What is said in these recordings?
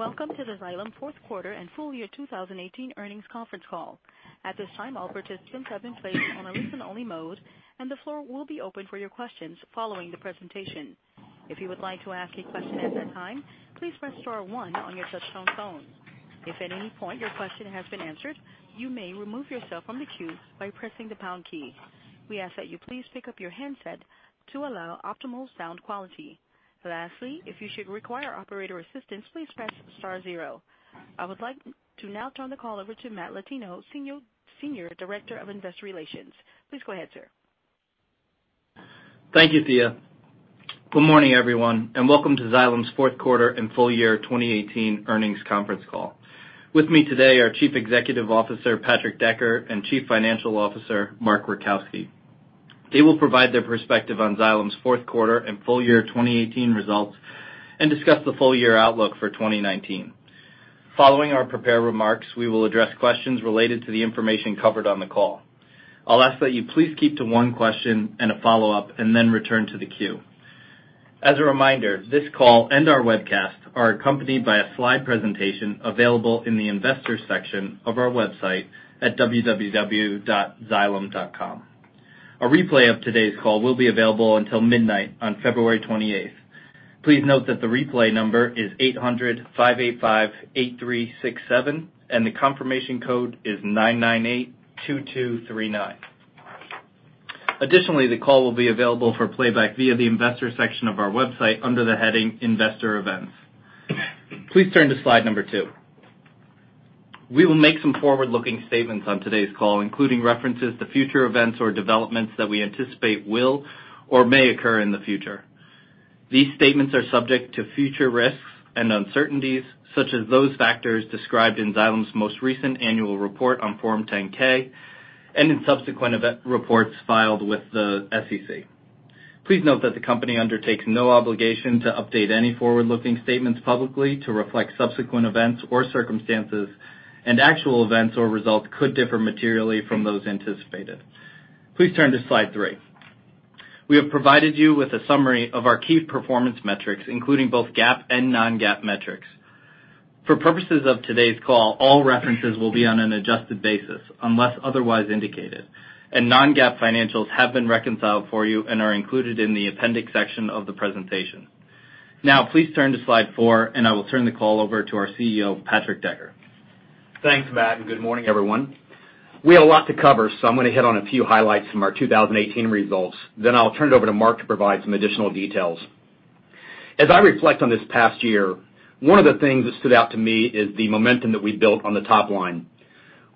Welcome to the Xylem Fourth Quarter and Full Year 2018 Earnings Conference Call. At this time, all participants have been placed on a listen-only mode, the floor will be open for your questions following the presentation. If you would like to ask a question at that time, please press star one on your touchtone phone. If at any point your question has been answered, you may remove yourself from the queue by pressing the pound key. We ask that you please pick up your handset to allow optimal sound quality. Lastly, if you should require operator assistance, please press star zero. I would like to now turn the call over to Matt Latino, Senior Director of Investor Relations. Please go ahead, sir. Thank you, Thea. Good morning, everyone, welcome to Xylem's fourth quarter and full year 2018 earnings conference call. With me today are Chief Executive Officer, Patrick Decker, and Chief Financial Officer, Mark Rajkowski. They will provide their perspective on Xylem's fourth quarter and full year 2018 results and discuss the full-year outlook for 2019. Following our prepared remarks, we will address questions related to the information covered on the call. I'll ask that you please keep to one question and a follow-up, then return to the queue. As a reminder, this call and our webcast are accompanied by a slide presentation available in the Investors section of our website at www.xylem.com. A replay of today's call will be available until midnight on February 28th. Please note that the replay number is 800-585-8367, and the confirmation code is 9982239. Additionally, the call will be available for playback via the Investors section of our website under the heading Investor Events. Please turn to slide number two. We will make some forward-looking statements on today's call, including references to future events or developments that we anticipate will or may occur in the future. These statements are subject to future risks and uncertainties, such as those factors described in Xylem's most recent annual report on Form 10-K and in subsequent event reports filed with the SEC. Please note that the company undertakes no obligation to update any forward-looking statements publicly to reflect subsequent events or circumstances, actual events or results could differ materially from those anticipated. Please turn to slide three. We have provided you with a summary of our key performance metrics, including both GAAP and non-GAAP metrics. For purposes of today's call, all references will be on an adjusted basis unless otherwise indicated, non-GAAP financials have been reconciled for you and are included in the appendix section of the presentation. Now, please turn to slide four, I will turn the call over to our CEO, Patrick Decker. Thanks, Matt, and good morning, everyone. We have a lot to cover, I am going to hit on a few highlights from our 2018 results. I will turn it over to Mark to provide some additional details. As I reflect on this past year, one of the things that stood out to me is the momentum that we built on the top line.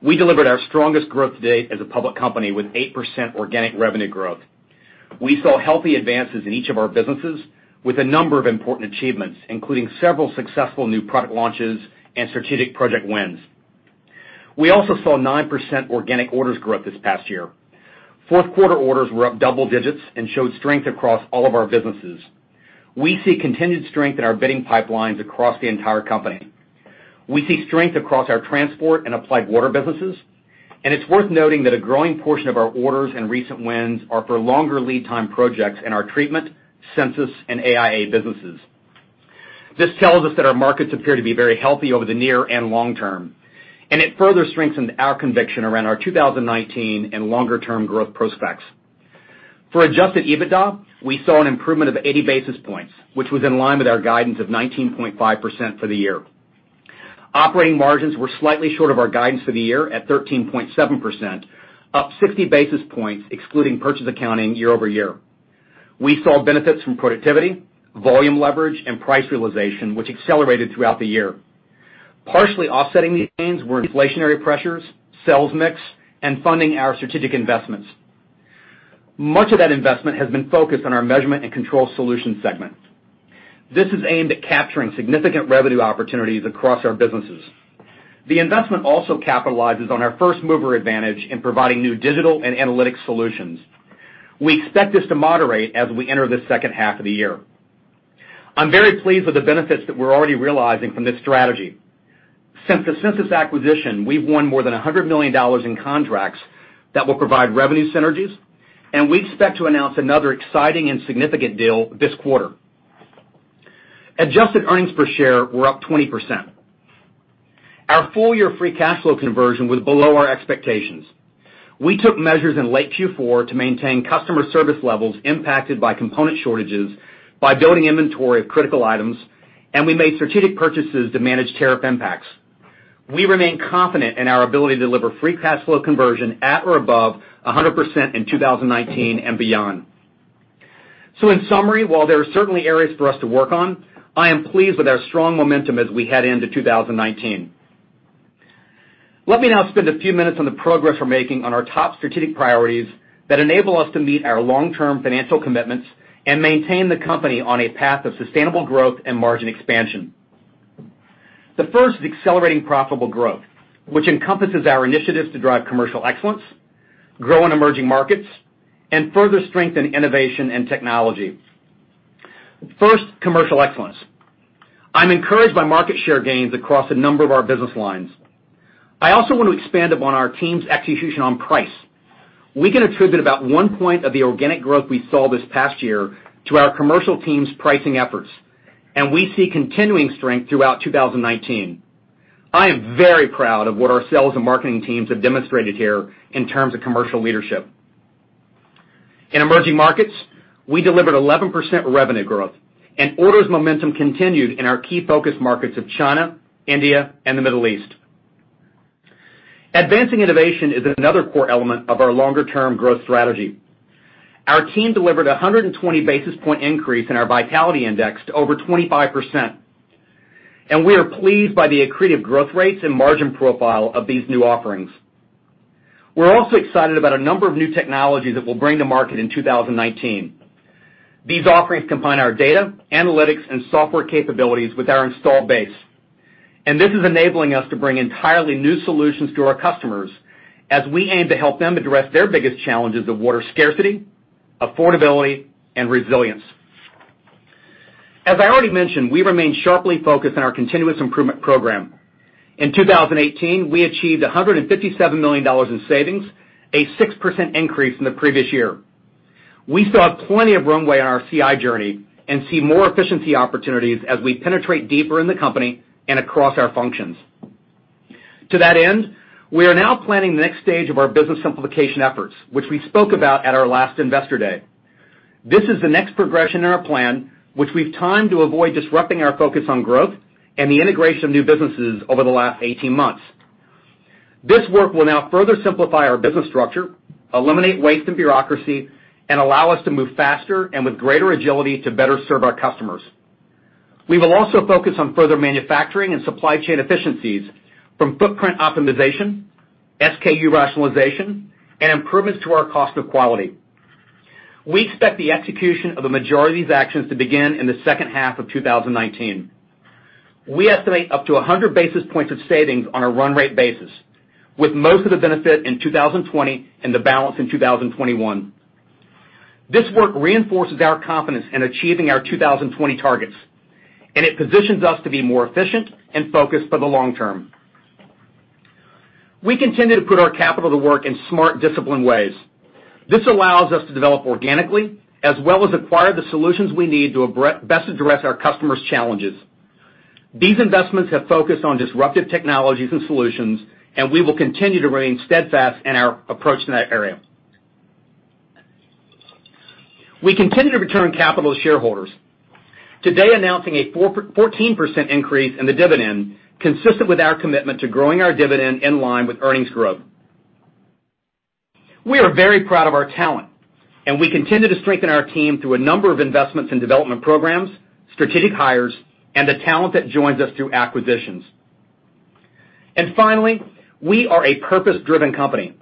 We delivered our strongest growth to date as a public company with 8% organic revenue growth. We saw healthy advances in each of our businesses with a number of important achievements, including several successful new product launches and strategic project wins. We also saw 9% organic orders growth this past year. Fourth quarter orders were up double digits and showed strength across all of our businesses. We see continued strength in our bidding pipelines across the entire company. We see strength across our Water Infrastructure and Applied Water businesses. It is worth noting that a growing portion of our orders and recent wins are for longer lead time projects in our treatment, Sensus, and AIA businesses. It tells us that our markets appear to be very healthy over the near and long term. It further strengthened our conviction around our 2019 and longer-term growth prospects. For adjusted EBITDA, we saw an improvement of 80 basis points, which was in line with our guidance of 19.5% for the year. Operating margins were slightly short of our guidance for the year at 13.7%, up 60 basis points excluding purchase accounting year-over-year. We saw benefits from productivity, volume leverage, and price realization, which accelerated throughout the year. Partially offsetting these gains were inflationary pressures, sales mix, and funding our strategic investments. Much of that investment has been focused on our Measurement & Control Solutions segment. This is aimed at capturing significant revenue opportunities across our businesses. The investment also capitalizes on our first-mover advantage in providing new digital and analytic solutions. We expect this to moderate as we enter the second half of the year. I am very pleased with the benefits that we are already realizing from this strategy. Since the Sensus acquisition, we have won more than $100 million in contracts that will provide revenue synergies, and we expect to announce another exciting and significant deal this quarter. Adjusted earnings per share were up 20%. Our full-year free cash flow conversion was below our expectations. We took measures in late Q4 to maintain customer service levels impacted by component shortages by building inventory of critical items, and we made strategic purchases to manage tariff impacts. We remain confident in our ability to deliver free cash flow conversion at or above 100% in 2019 and beyond. In summary, while there are certainly areas for us to work on, I am pleased with our strong momentum as we head into 2019. Let me now spend a few minutes on the progress we are making on our top strategic priorities that enable us to meet our long-term financial commitments and maintain the company on a path of sustainable growth and margin expansion. The first is accelerating profitable growth, which encompasses our initiatives to drive commercial excellence, grow in emerging markets, and further strengthen innovation and technology. First, commercial excellence. I am encouraged by market share gains across a number of our business lines. I also want to expand upon our team's execution on price. We can attribute about one point of the organic growth we saw this past year to our commercial team's pricing efforts, we see continuing strength throughout 2019. I am very proud of what our sales and marketing teams have demonstrated here in terms of commercial leadership. In emerging markets, we delivered 11% revenue growth. Orders momentum continued in our key focus markets of China, India, and the Middle East. Advancing innovation is another core element of our longer-term growth strategy. Our team delivered 120 basis point increase in our vitality index to over 25%, we are pleased by the accretive growth rates and margin profile of these new offerings. We are also excited about a number of new technologies that we will bring to market in 2019. These offerings combine our data, analytics, and software capabilities with our installed base. This is enabling us to bring entirely new solutions to our customers as we aim to help them address their biggest challenges of water scarcity, affordability, and resilience. As I already mentioned, we remain sharply focused on our continuous improvement program. In 2018, we achieved $157 million in savings, a 6% increase from the previous year. We saw plenty of runway on our CI journey and see more efficiency opportunities as we penetrate deeper in the company and across our functions. To that end, we are now planning the next stage of our business simplification efforts, which we spoke about at our last Investor Day. This is the next progression in our plan, which we have timed to avoid disrupting our focus on growth and the integration of new businesses over the last 18 months. This work will now further simplify our business structure, eliminate waste and bureaucracy, allow us to move faster and with greater agility to better serve our customers. We will also focus on further manufacturing and supply chain efficiencies, from footprint optimization, SKU rationalization, and improvements to our cost of quality. We expect the execution of the majority of these actions to begin in the second half of 2019. We estimate up to 100 basis points of savings on a run rate basis, with most of the benefit in 2020 and the balance in 2021. This work reinforces our confidence in achieving our 2020 targets, it positions us to be more efficient and focused for the long term. We continue to put our capital to work in smart, disciplined ways. This allows us to develop organically, as well as acquire the solutions we need to best address our customers' challenges. These investments have focused on disruptive technologies and solutions, we will continue to remain steadfast in our approach in that area. We continue to return capital to shareholders. Today announcing a 14% increase in the dividend, consistent with our commitment to growing our dividend in line with earnings growth. We are very proud of our talent, we continue to strengthen our team through a number of investments in development programs, strategic hires, and the talent that joins us through acquisitions. Finally, we are a purpose-driven company.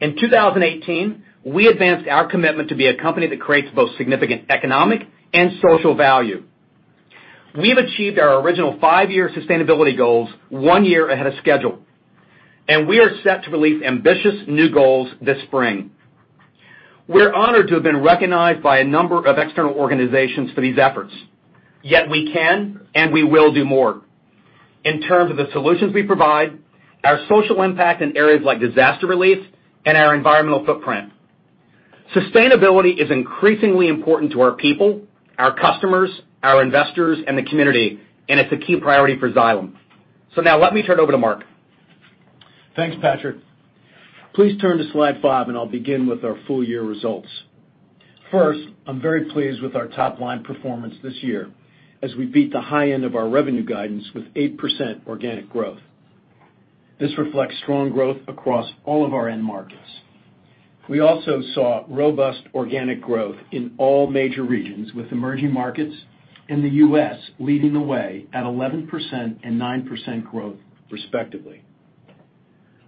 In 2018, we advanced our commitment to be a company that creates both significant economic and social value. We have achieved our original five-year sustainability goals one year ahead of schedule, we are set to release ambitious new goals this spring. We're honored to have been recognized by a number of external organizations for these efforts. Yet we can and we will do more in terms of the solutions we provide, our social impact in areas like disaster relief, and our environmental footprint. Sustainability is increasingly important to our people, our customers, our investors, and the community, and it's a key priority for Xylem. Now let me turn it over to Mark. Thanks, Patrick. Please turn to slide five. I'll begin with our full-year results. First, I'm very pleased with our top-line performance this year as we beat the high end of our revenue guidance with 8% organic growth. This reflects strong growth across all of our end markets. We also saw robust organic growth in all major regions, with emerging markets in the U.S. leading the way at 11% and 9% growth respectively.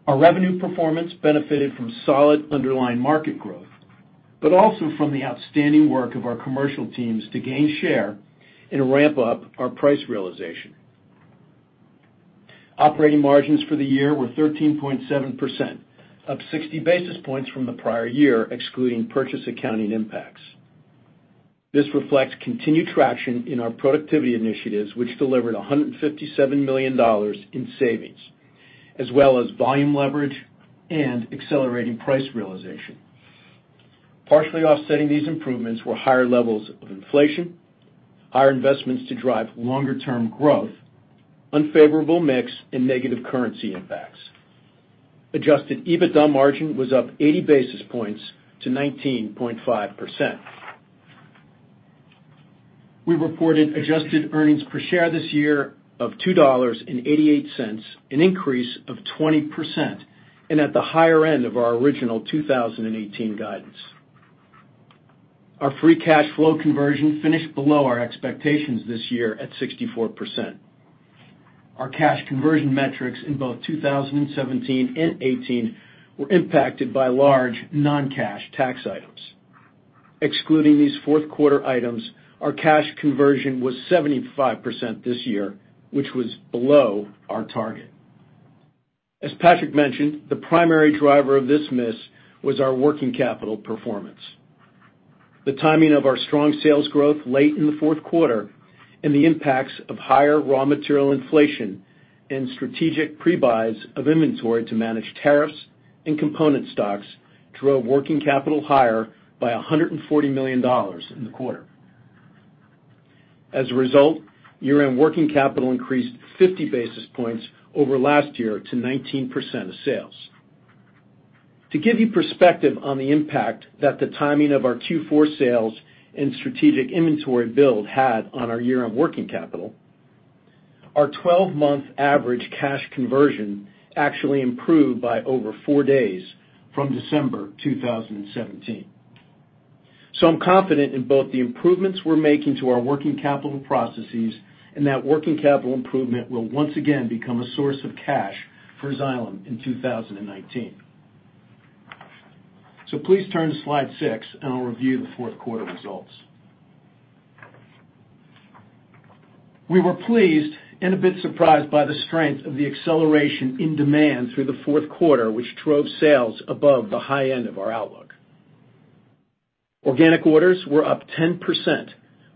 Our revenue performance benefited from solid underlying market growth, also from the outstanding work of our commercial teams to gain share and ramp up our price realization. Operating margins for the year were 13.7%, up 60 basis points from the prior year, excluding purchase accounting impacts. This reflects continued traction in our productivity initiatives, which delivered $157 million in savings, as well as volume leverage and accelerating price realization. Partially offsetting these improvements were higher levels of inflation, higher investments to drive longer-term growth, unfavorable mix, and negative currency impacts. Adjusted EBITDA margin was up 80 basis points to 19.5%. We reported adjusted earnings per share this year of $2.88, an increase of 20%, and at the higher end of our original 2018 guidance. Our free cash flow conversion finished below our expectations this year at 64%. Our cash conversion metrics in both 2017 and 2018 were impacted by large non-cash tax items. Excluding these fourth quarter items, our cash conversion was 75% this year, which was below our target. As Patrick mentioned, the primary driver of this miss was our working capital performance. The timing of our strong sales growth late in the fourth quarter and the impacts of higher raw material inflation and strategic pre-buys of inventory to manage tariffs and component stocks drove working capital higher by $140 million in the quarter. As a result, year-end working capital increased 50 basis points over last year to 19% of sales. To give you perspective on the impact that the timing of our Q4 sales and strategic inventory build had on our year-end working capital, our 12-month average cash conversion actually improved by over four days from December 2017. I'm confident in both the improvements we're making to our working capital processes and that working capital improvement will once again become a source of cash for Xylem in 2019. Please turn to slide six, and I'll review the fourth quarter results. We were pleased and a bit surprised by the strength of the acceleration in demand through the fourth quarter, which drove sales above the high end of our outlook. Organic orders were up 10%,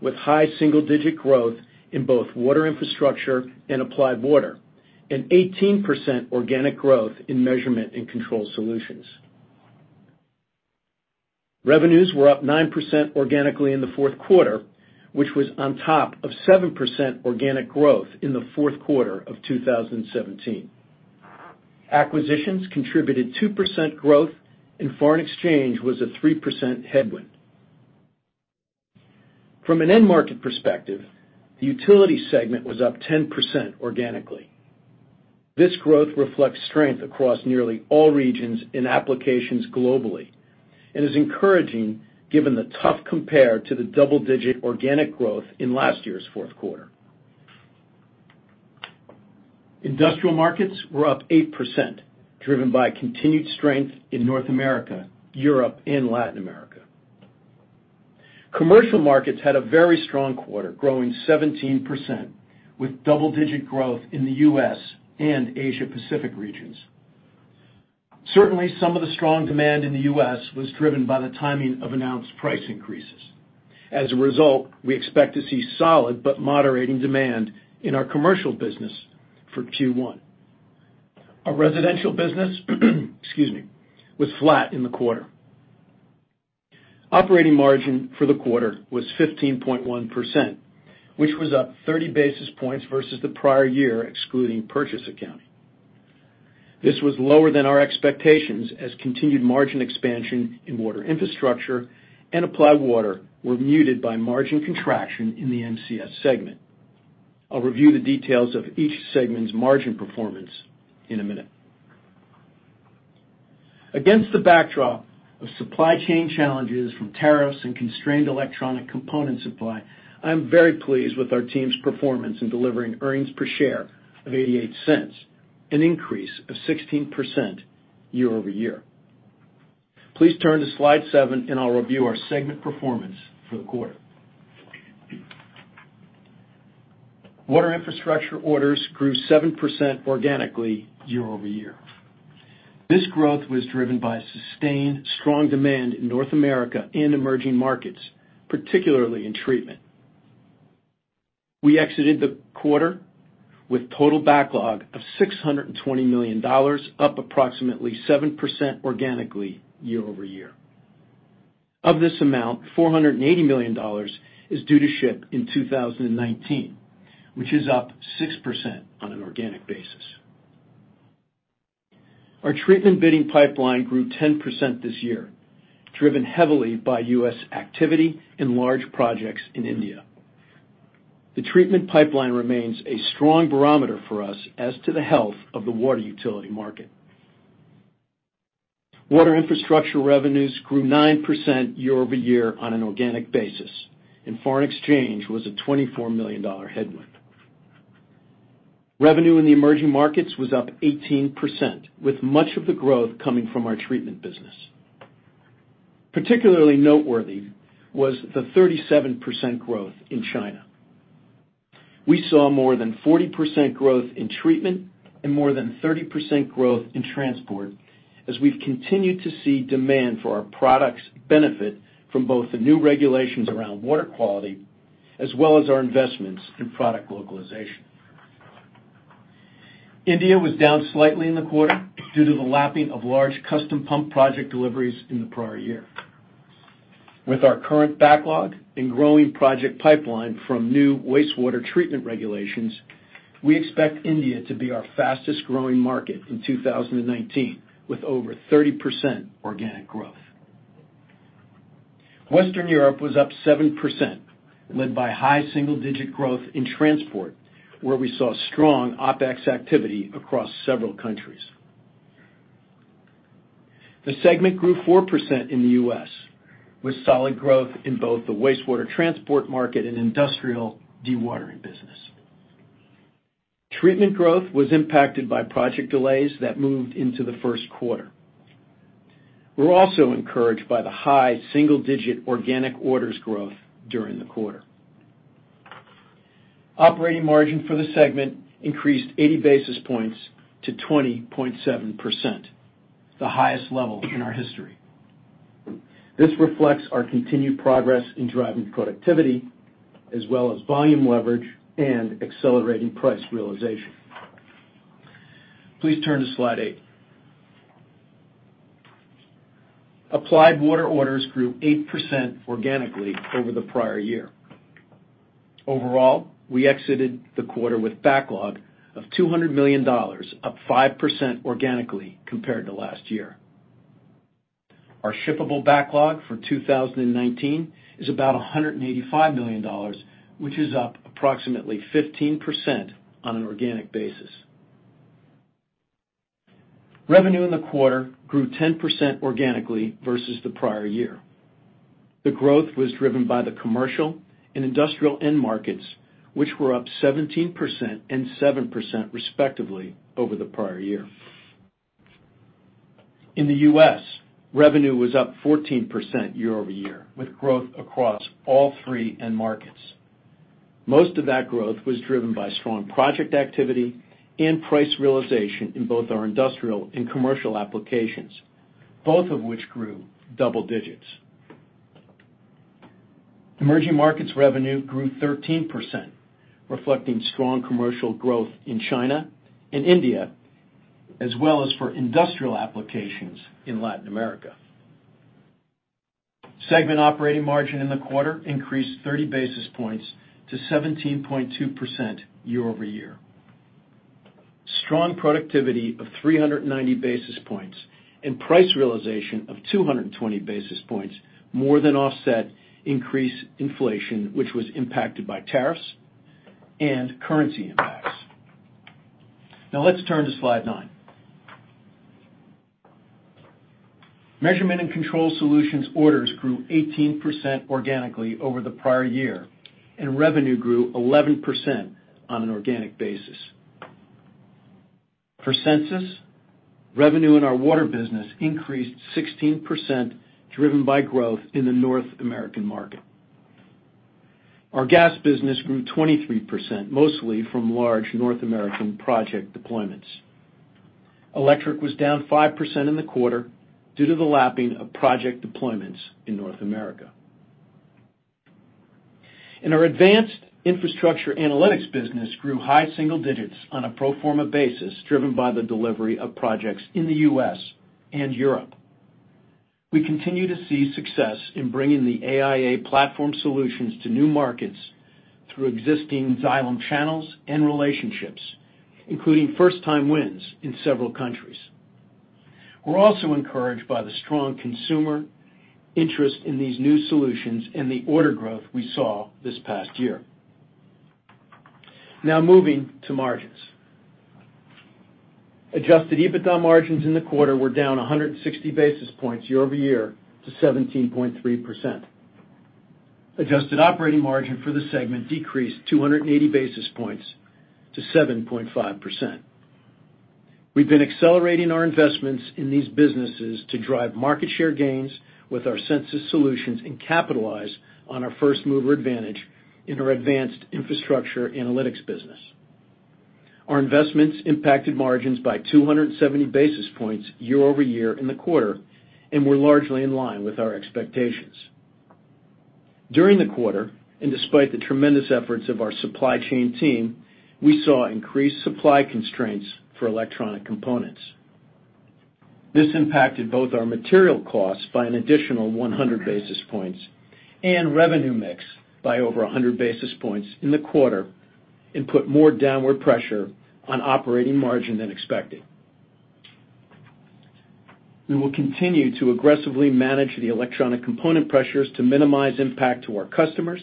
with high single-digit growth in both Water Infrastructure and Applied Water, and 18% organic growth in Measurement & Control Solutions. Revenues were up 9% organically in the fourth quarter, which was on top of 7% organic growth in the fourth quarter of 2017. Acquisitions contributed 2% growth, and foreign exchange was a 3% headwind. From an end market perspective, the Utility segment was up 10% organically. This growth reflects strength across nearly all regions in applications globally and is encouraging given the tough compare to the double-digit organic growth in last year's fourth quarter. Industrial markets were up 8%, driven by continued strength in North America, Europe, and Latin America. Commercial markets had a very strong quarter, growing 17%, with double-digit growth in the U.S. and Asia Pacific regions. Certainly, some of the strong demand in the U.S. was driven by the timing of announced price increases. We expect to see solid but moderating demand in our commercial business for Q1. Our residential business was flat in the quarter. Operating margin for the quarter was 15.1%, which was up 30 basis points versus the prior year, excluding purchase accounting. This was lower than our expectations as continued margin expansion in Water Infrastructure and Applied Water were muted by margin contraction in the MCS segment. I'll review the details of each segment's margin performance in a minute. Against the backdrop of supply chain challenges from tariffs and constrained electronic component supply, I'm very pleased with our team's performance in delivering earnings per share of $0.88, an increase of 16% year-over-year. Please turn to slide seven, and I'll review our segment performance for the quarter. Water Infrastructure orders grew 7% organically year-over-year. This growth was driven by sustained strong demand in North America and emerging markets, particularly in treatment. We exited the quarter with total backlog of $620 million, up approximately 7% organically year-over-year. Of this amount, $480 million is due to ship in 2019, which is up 6% on an organic basis. Our treatment bidding pipeline grew 10% this year, driven heavily by U.S. activity and large projects in India. The treatment pipeline remains a strong barometer for us as to the health of the water utility market. Water Infrastructure revenues grew 9% year-over-year on an organic basis, and foreign exchange was a $24 million headwind. Revenue in the emerging markets was up 18%, with much of the growth coming from our treatment business. Particularly noteworthy was the 37% growth in China. We saw more than 40% growth in treatment and more than 30% growth in transport as we've continued to see demand for our products benefit from both the new regulations around water quality as well as our investments in product localization. India was down slightly in the quarter due to the lapping of large custom pump project deliveries in the prior year. With our current backlog and growing project pipeline from new wastewater treatment regulations, we expect India to be our fastest-growing market in 2019, with over 30% organic growth. Western Europe was up 7%, led by high single-digit growth in transport, where we saw strong OpEx activity across several countries. The segment grew 4% in the U.S., with solid growth in both the wastewater transport market and industrial dewatering business. Treatment growth was impacted by project delays that moved into the first quarter. We're also encouraged by the high single-digit organic orders growth during the quarter. Operating margin for the segment increased 80 basis points to 20.7%, the highest level in our history. This reflects our continued progress in driving productivity, as well as volume leverage and accelerating price realization. Please turn to slide eight. Applied Water orders grew 8% organically over the prior year. Overall, we exited the quarter with backlog of $200 million, up 5% organically compared to last year. Our shippable backlog for 2019 is about $185 million, which is up approximately 15% on an organic basis. Revenue in the quarter grew 10% organically versus the prior year. The growth was driven by the commercial and industrial end markets, which were up 17% and 7%, respectively, over the prior year. In the U.S., revenue was up 14% year-over-year, with growth across all three end markets. Most of that growth was driven by strong project activity and price realization in both our industrial and commercial applications, both of which grew double digits. Emerging markets revenue grew 13%, reflecting strong commercial growth in China and India, as well as for industrial applications in Latin America. Segment operating margin in the quarter increased 30 basis points to 17.2% year-over-year. Strong productivity of 390 basis points and price realization of 220 basis points more than offset increased inflation, which was impacted by tariffs and currency impacts. Let's turn to slide nine. Measurement & Control Solutions orders grew 18% organically over the prior year, and revenue grew 11% on an organic basis. For Sensus, revenue in our Water business increased 16%, driven by growth in the North American market. Our gas business grew 23%, mostly from large North American project deployments. Electric was down 5% in the quarter due to the lapping of project deployments in North America. Our Advanced Infrastructure Analytics business grew high single digits on a pro forma basis, driven by the delivery of projects in the U.S. and Europe. We continue to see success in bringing the AIA platform solutions to new markets through existing Xylem channels and relationships, including first-time wins in several countries. We're also encouraged by the strong consumer interest in these new solutions and the order growth we saw this past year. Moving to margins. Adjusted EBITDA margins in the quarter were down 160 basis points year-over-year to 17.3%. Adjusted operating margin for the segment decreased 280 basis points to 7.5%. We've been accelerating our investments in these businesses to drive market share gains with our Sensus solutions and capitalize on our first-mover advantage in our Advanced Infrastructure Analytics business. Our investments impacted margins by 270 basis points year-over-year in the quarter and were largely in line with our expectations. During the quarter, and despite the tremendous efforts of our supply chain team, we saw increased supply constraints for electronic components. This impacted both our material costs by an additional 100 basis points and revenue mix by over 100 basis points in the quarter and put more downward pressure on operating margin than expected. We will continue to aggressively manage the electronic component pressures to minimize impact to our customers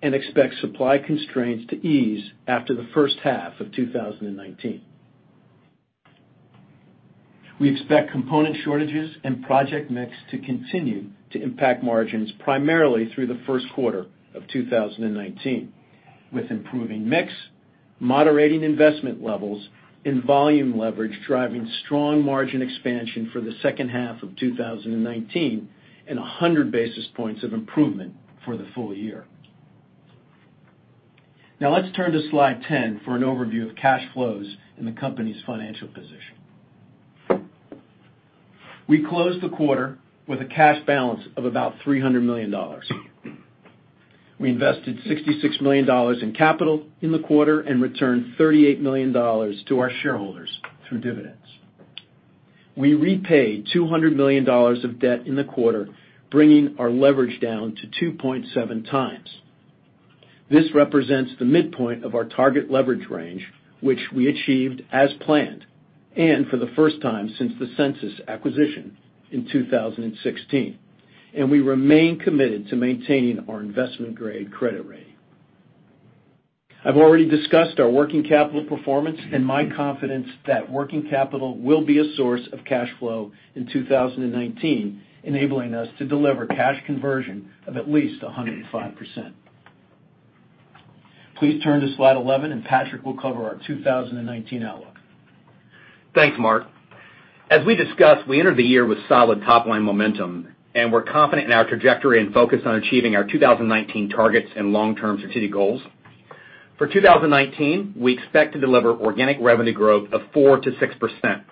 and expect supply constraints to ease after the first half of 2019. We expect component shortages and project mix to continue to impact margins primarily through the first quarter of 2019, with improving mix, moderating investment levels, and volume leverage driving strong margin expansion for the second half of 2019 and 100 basis points of improvement for the full year. Now let's turn to slide 10 for an overview of cash flows and the company's financial position. We closed the quarter with a cash balance of about $300 million. We invested $66 million in capital in the quarter and returned $38 million to our shareholders through dividends. We repaid $200 million of debt in the quarter, bringing our leverage down to 2.7x. This represents the midpoint of our target leverage range, which we achieved as planned and for the first time since the Sensus acquisition in 2016. We remain committed to maintaining our investment-grade credit rating. I've already discussed our working capital performance and my confidence that working capital will be a source of cash flow in 2019, enabling us to deliver cash conversion of at least 105%. Please turn to slide 11, Patrick will cover our 2019 outlook. Thanks, Mark. As we discussed, we entered the year with solid top-line momentum. We're confident in our trajectory and focus on achieving our 2019 targets and long-term strategic goals. For 2019, we expect to deliver organic revenue growth of 4%-6%.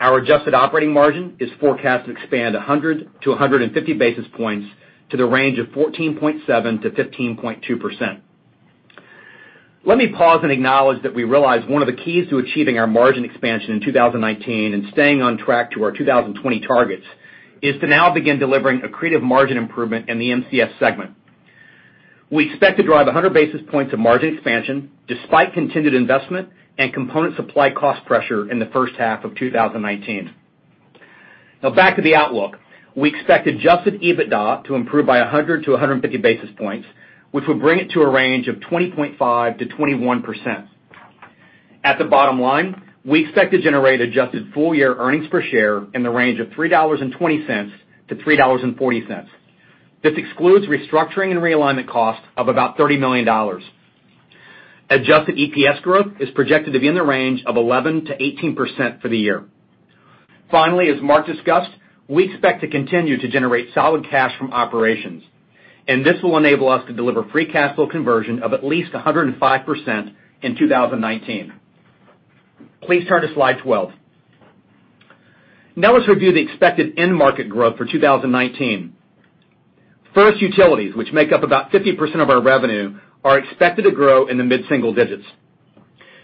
Our adjusted operating margin is forecast to expand 100 basis points-150 basis points to the range of 14.7%-15.2%. Let me pause and acknowledge that we realize one of the keys to achieving our margin expansion in 2019 and staying on track to our 2020 targets, is to now begin delivering accretive margin improvement in the MCS segment. We expect to drive 100 basis points of margin expansion despite continued investment and component supply cost pressure in the first half of 2019. Now back to the outlook. We expect adjusted EBITDA to improve by 100 basis points-150 basis points, which would bring it to a range of 20.5%-21%. At the bottom line, we expect to generate adjusted full-year EPS in the range of $3.20-$3.40. This excludes restructuring and realignment costs of about $30 million. Adjusted EPS growth is projected to be in the range of 11%-18% for the year. Finally, as Mark discussed, we expect to continue to generate solid cash from operations. This will enable us to deliver free cash flow conversion of at least 105% in 2019. Please turn to slide 12. Now let's review the expected end market growth for 2019. First, utilities, which make up about 50% of our revenue, are expected to grow in the mid-single digits.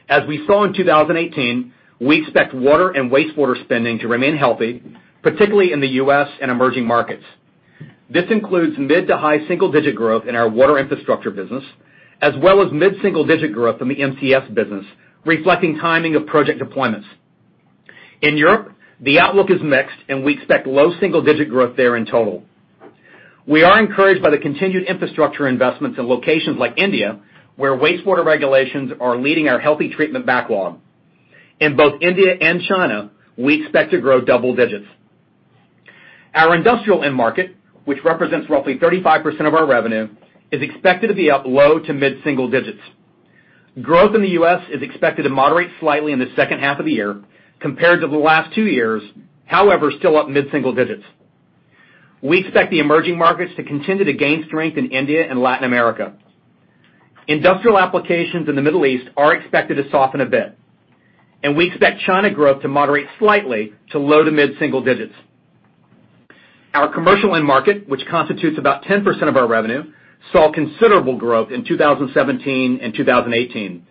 As we saw in 2018, we expect water and wastewater spending to remain healthy, particularly in the U.S. and emerging markets. This includes mid to high single-digit growth in our Water Infrastructure business, as well as mid-single-digit growth in the MCS business, reflecting timing of project deployments. In Europe, the outlook is mixed and we expect low single-digit growth there in total. We are encouraged by the continued infrastructure investments in locations like India, where wastewater regulations are leading our healthy treatment backlog. In both India and China, we expect to grow double digits. Our industrial end market, which represents roughly 35% of our revenue, is expected to be up low to mid-single digits. Growth in the U.S. is expected to moderate slightly in the second half of the year compared to the last two years, however, still up mid-single digits. We expect the emerging markets to continue to gain strength in India and Latin America. Industrial applications in the Middle East are expected to soften a bit, we expect China growth to moderate slightly to low to mid-single digits. Our commercial end market, which constitutes about 10% of our revenue, saw considerable growth in 2017 and 2018.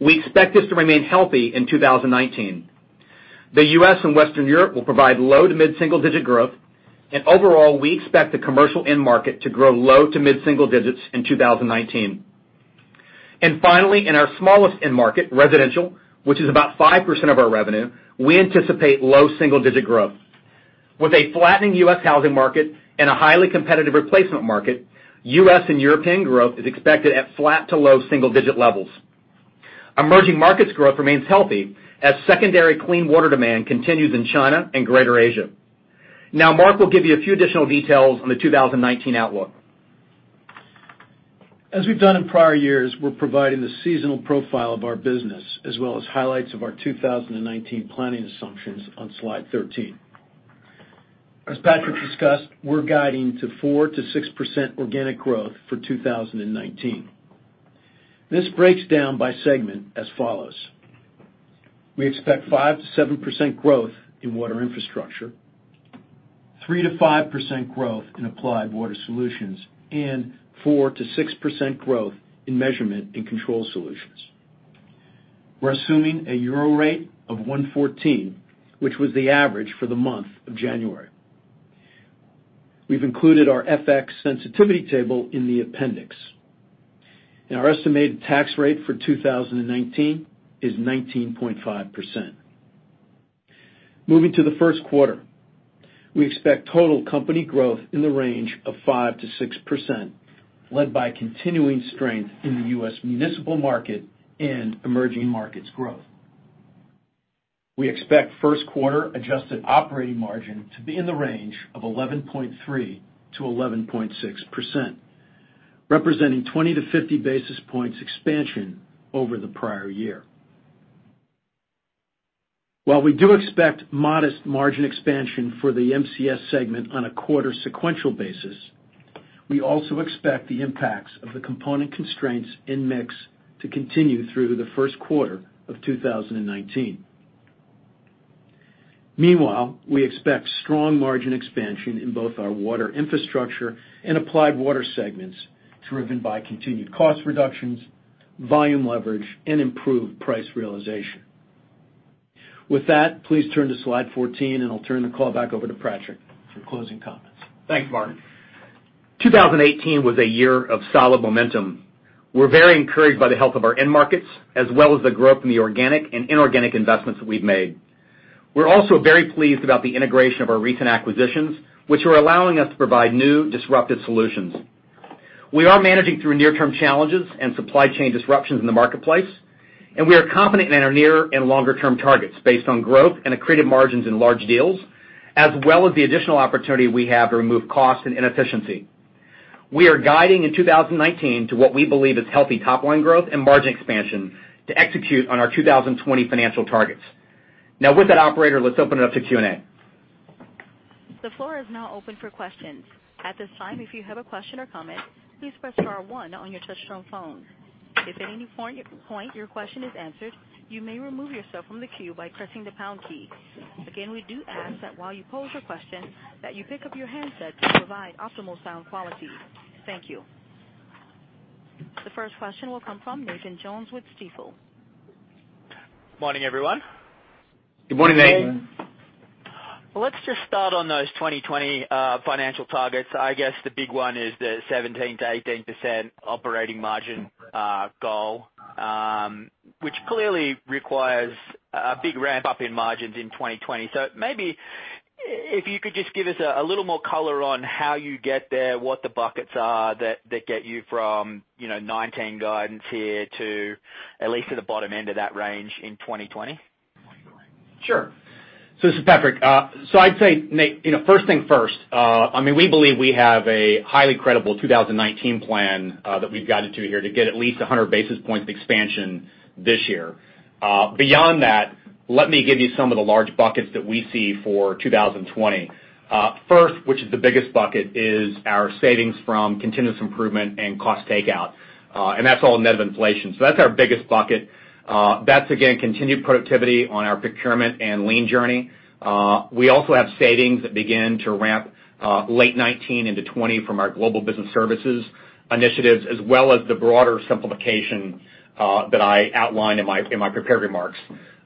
We expect this to remain healthy in 2019. The U.S. and Western Europe will provide low to mid-single-digit growth, and overall, we expect the commercial end market to grow low to mid-single digits in 2019. Finally, in our smallest end market, residential, which is about 5% of our revenue, we anticipate low single-digit growth. With a flattening U.S. housing market and a highly competitive replacement market, U.S. and European growth is expected at flat to low single-digit levels. Emerging markets growth remains healthy as secondary clean water demand continues in China and greater Asia. Now Mark will give you a few additional details on the 2019 outlook. As we've done in prior years, we're providing the seasonal profile of our business as well as highlights of our 2019 planning assumptions on slide 13. As Patrick discussed, we're guiding to 4%-6% organic growth for 2019. This breaks down by segment as follows. We expect 5%-7% growth in Water Infrastructure, 3%-5% growth in Applied Water solutions, and 4%-6% growth in Measurement & Control Solutions. We're assuming a euro rate of 114, which was the average for the month of January. We've included our FX sensitivity table in the appendix. Our estimated tax rate for 2019 is 19.5%. Moving to the first quarter, we expect total company growth in the range of 5%-6%, led by continuing strength in the U.S. municipal market and emerging markets growth. We expect first quarter-adjusted operating margin to be in the range of 11.3%-11.6%, representing 20 basis points-50 basis points expansion over the prior year. While we do expect modest margin expansion for the MCS segment on a quarter sequential basis, we also expect the impacts of the component constraints in mix to continue through the first quarter of 2019. Meanwhile, we expect strong margin expansion in both our Water Infrastructure and Applied Water segments, driven by continued cost reductions, volume leverage, and improved price realization. With that, please turn to slide 14, I'll turn the call back over to Patrick for closing comments. Thanks, Mark. 2018 was a year of solid momentum. We're very encouraged by the health of our end markets, as well as the growth in the organic and inorganic investments that we've made. We're also very pleased about the integration of our recent acquisitions, which are allowing us to provide new disruptive solutions. We are managing through near-term challenges and supply chain disruptions in the marketplace, we are confident in our near and longer-term targets based on growth and accretive margins in large deals, as well as the additional opportunity we have to remove cost and inefficiency. We are guiding in 2019 to what we believe is healthy top-line growth and margin expansion to execute on our 2020 financial targets. With that, operator, let's open it up to Q&A. The floor is now open for questions. At this time, if you have a question or comment, please press star one on your touch-tone phone. If at any point your question is answered, you may remove yourself from the queue by pressing the pound key. Again, we do ask that while you pose a question, that you pick up your handset to provide optimal sound quality. Thank you. The first question will come from Nathan Jones with Stifel. Morning, everyone. Good morning, Nathan. Let's just start on those 2020 financial targets. I guess the big one is the 17%-18% operating margin goal, which clearly requires a big ramp-up in margins in 2020. Maybe if you could just give us a little more color on how you get there, what the buckets are that get you from 2019 guidance here to at least to the bottom end of that range in 2020. Sure. This is Patrick. I'd say, Nate, first thing first, we believe we have a highly credible 2019 plan that we've guided to here to get at least 100 basis points of expansion this year. Beyond that, let me give you some of the large buckets that we see for 2020. First, which is the biggest bucket is our savings from continuous improvement and cost takeout. That's all net of inflation. That's our biggest bucket. That's again, continued productivity on our procurement and lean journey. We also have savings that begin to ramp late 2019 into 2020 from our global business services initiatives, as well as the broader simplification that I outlined in my prepared remarks.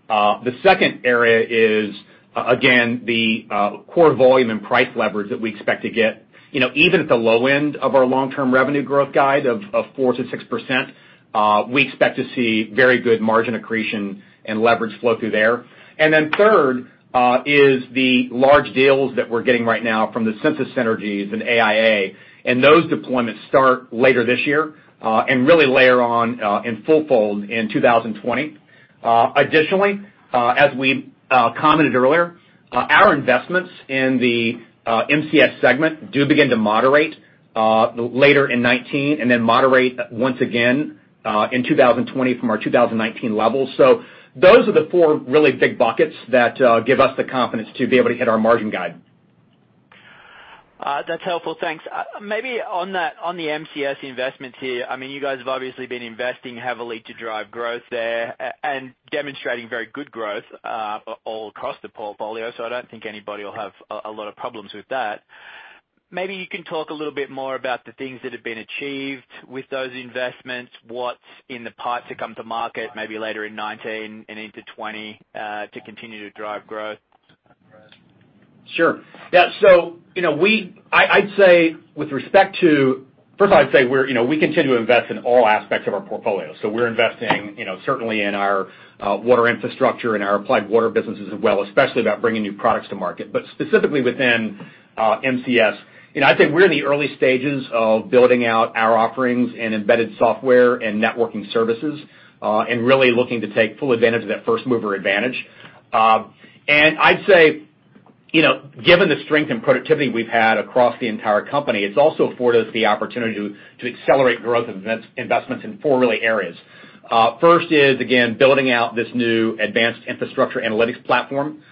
The second area is, again, the core volume and price leverage that we expect to get. Even at the low end of our long-term revenue growth guide of 4%-6%, we expect to see very good margin accretion and leverage flow through there. Then third is the large deals that we're getting right now from the Sensus synergies and AIA, those deployments start later this year, and really layer on in full fold in 2020. Additionally, as we commented earlier, our investments in the MCS segment do begin to moderate later in 2019, then moderate once again, in 2020 from our 2019 levels. Those are the four really big buckets that give us the confidence to be able to hit our margin guide. That's helpful. Thanks. Maybe on the MCS investments here, you guys have obviously been investing heavily to drive growth there and demonstrating very good growth all across the portfolio, so I don't think anybody will have a lot of problems with that. Maybe you can talk a little bit more about the things that have been achieved with those investments, what's in the pipe to come to market maybe later in 2019 and into 2020 to continue to drive growth? Sure. First of all, I'd say we continue to invest in all aspects of our portfolio. We're investing certainly in our Water Infrastructure and our Applied Water businesses as well, especially about bringing new products to market, but specifically within MCS. I'd say we're in the early stages of building out our offerings in embedded software and networking services, and really looking to take full advantage of that first-mover advantage. I'd say, given the strength and productivity we've had across the entire company, it's also afforded us the opportunity to accelerate growth investments in four really areas. First is, again, building out this new Advanced Infrastructure Analytics platform.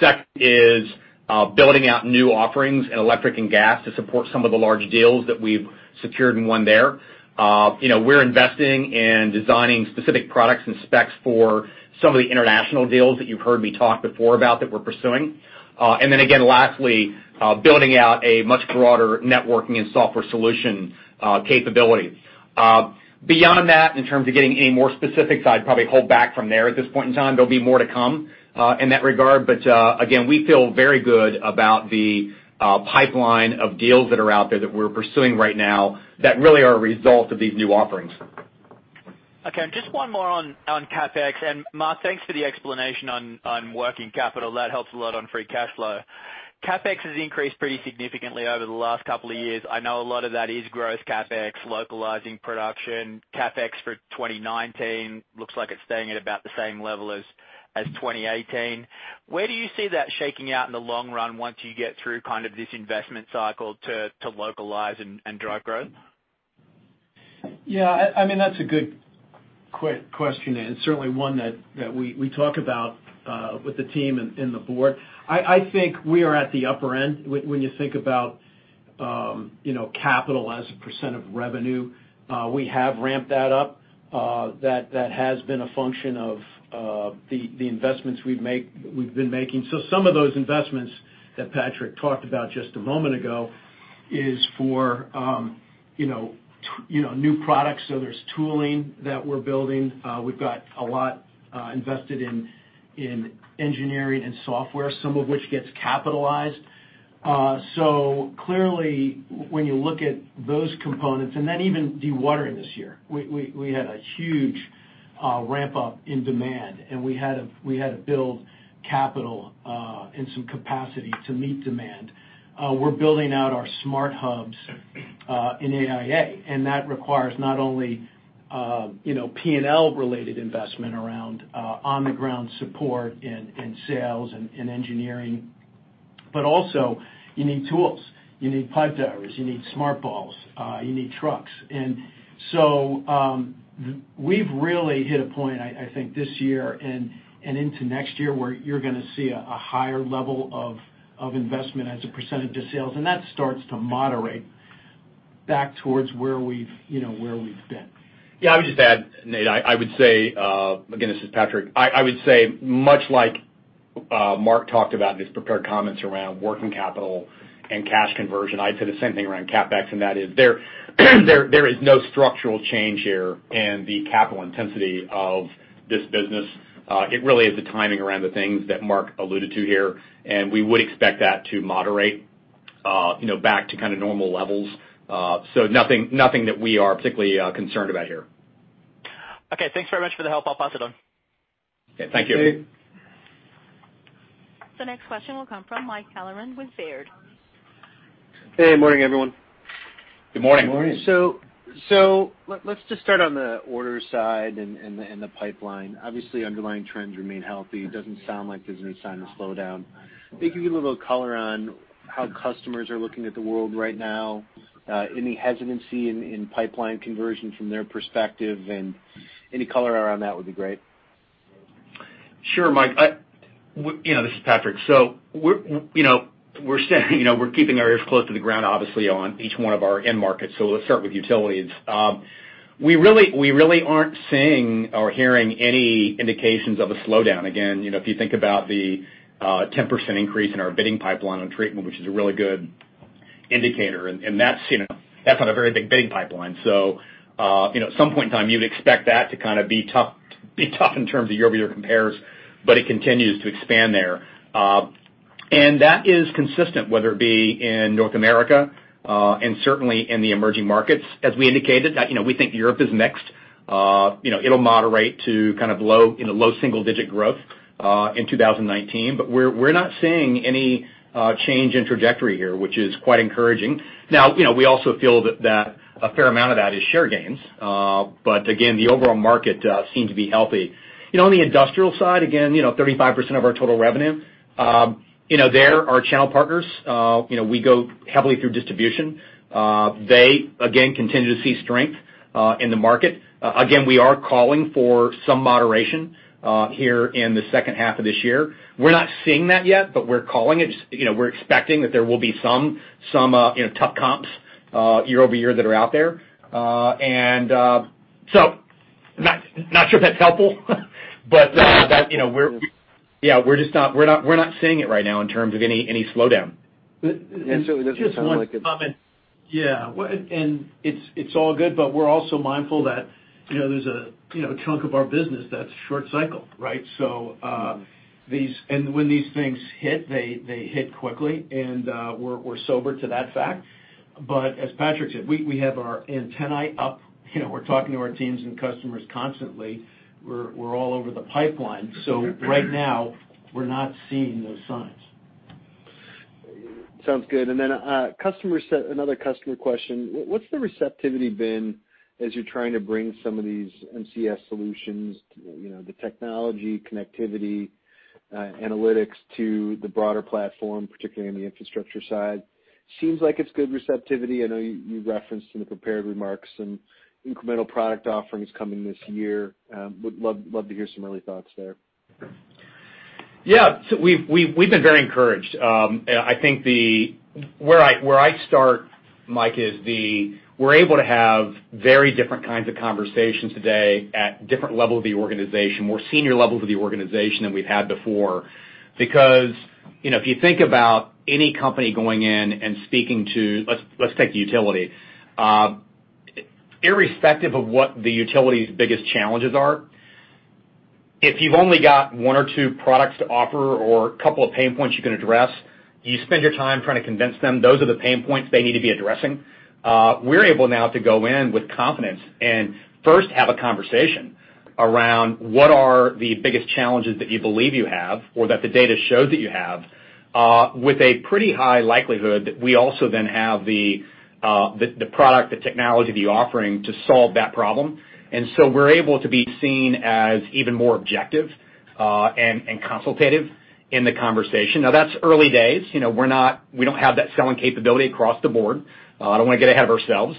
Second is building out new offerings in electric and gas to support some of the large deals that we've secured and won there. We're investing in designing specific products and specs for some of the international deals that you've heard me talk before about that we're pursuing. Again, lastly, building out a much broader networking and software solution capability. Beyond that, in terms of getting any more specifics, I'd probably hold back from there at this point in time. There'll be more to come in that regard, but again, we feel very good about the pipeline of deals that are out there that we're pursuing right now that really are a result of these new offerings. Okay, just one more on CapEx. Mark, thanks for the explanation on working capital. That helps a lot on free cash flow. CapEx has increased pretty significantly over the last couple of years. I know a lot of that is growth CapEx, localizing production. CapEx for 2019 looks like it's staying at about the same level as 2018. Where do you see that shaking out in the long run once you get through kind of this investment cycle to localize and drive growth? Yeah, that's a good question, and certainly one that we talk about with the team and the board. I think we are at the upper end when you think about capital as a percent of revenue. We have ramped that up. That has been a function of the investments we've been making. Some of those investments that Patrick talked about just a moment ago is for new products. There's tooling that we're building. We've got a lot invested in engineering and software, some of which gets capitalized. Clearly when you look at those components, and then even dewatering this year. We had a huge ramp-up in demand, and we had to build capital in some capacity to meet demand. We're building out our smart hubs in AIA, and that requires not only- P&L related investment around on-the-ground support in sales and engineering. Also you need tools, you need PipeDiver, you need SmartBall, you need trucks. We've really hit a point, I think this year and into next year, where you're going to see a higher level of investment as apercentage of sales. That starts to moderate back towards where we've been. Yeah, I would just add, Nate, I would say, again, this is Patrick. I would say much like Mark talked about in his prepared comments around working capital and cash conversion, I'd say the same thing around CapEx, that is there is no structural change here in the capital intensity of this business. It really is the timing around the things that Mark alluded to here, we would expect that to moderate back to kind of normal levels. Nothing that we are particularly concerned about here. Okay. Thanks very much for the help. I'll pass it on. Thank you. Thanks. The next question will come from Mike Halloran with Baird. Hey, good morning, everyone. Good morning. Morning. Let's just start on the order side and the pipeline. Obviously, underlying trends remain healthy. It doesn't sound like there's any sign of slowdown. Maybe give a little color on how customers are looking at the world right now. Any hesitancy in pipeline conversion from their perspective, any color around that would be great. Sure, Mike. This is Patrick. We're keeping our ears close to the ground, obviously, on each one of our end markets. Let's start with utilities. We really aren't seeing or hearing any indications of a slowdown. Again, if you think about the 10% increase in our bidding pipeline on treatment, which is a really good indicator, that's not a very big bidding pipeline. At some point in time, you'd expect that to kind of be tough in terms of year-over-year compares, but it continues to expand there. That is consistent, whether it be in North America, certainly in the emerging markets. As we indicated, we think Europe is next. It'll moderate to kind of low single-digit growth in 2019. We're not seeing any change in trajectory here, which is quite encouraging. We also feel that a fair amount of that is share gains. Again, the overall market seem to be healthy. On the industrial side, again, 35% of our total revenue. There, our channel partners, we go heavily through distribution. They, again, continue to see strength in the market. Again, we are calling for some moderation here in the second half of this year. We're not seeing that yet, but we're calling it. We're expecting that there will be some tough comps year-over-year that are out there. Not sure if that's helpful, we're not seeing it right now in terms of any slowdown. Certainly doesn't sound like it. Just one comment. Yeah. It's all good, but we're also mindful that there's a chunk of our business that's short cycle, right? When these things hit, they hit quickly, and we're sober to that fact. As Patrick said, we have our antennae up. We're talking to our teams and customers constantly. We're all over the pipeline. Right now, we're not seeing those signs. Sounds good. Another customer question, what's the receptivity been as you're trying to bring some of these MCS solutions, the technology connectivity analytics to the broader platform, particularly on the infrastructure side? Seems like it's good receptivity. I know you referenced in the prepared remarks some incremental product offerings coming this year. Would love to hear some early thoughts there. Yeah. We've been very encouraged. I think where I start, Mike, is we're able to have very different kinds of conversations today at different level of the organization, more senior levels of the organization than we've had before. Because if you think about any company going in and speaking to, let's take utility. Irrespective of what the utility's biggest challenges are, if you've only got one or two products to offer or a couple of pain points you can address, you spend your time trying to convince them those are the pain points they need to be addressing. We're able now to go in with confidence and first have a conversation around what are the biggest challenges that you believe you have or that the data shows that you have, with a pretty high likelihood that we also then have the product, the technology, the offering to solve that problem. We're able to be seen as even more objective, and consultative in the conversation. Now that's early days. We don't have that selling capability across the board. I don't want to get ahead of ourselves.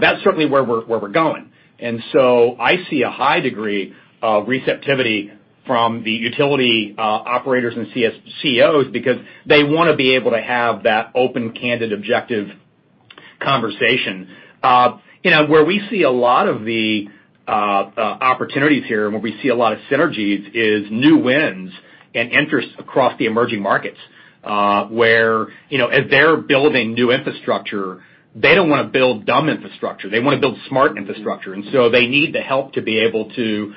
That's certainly where we're going. I see a high degree of receptivity from the utility operators and COs because they want to be able to have that open, candid, objective conversation. Where we see a lot of the opportunities here and where we see a lot of synergies is new wins and interest across the emerging markets, where as they're building new infrastructure, they don't want to build dumb infrastructure. They want to build smart infrastructure. They need the help to be able to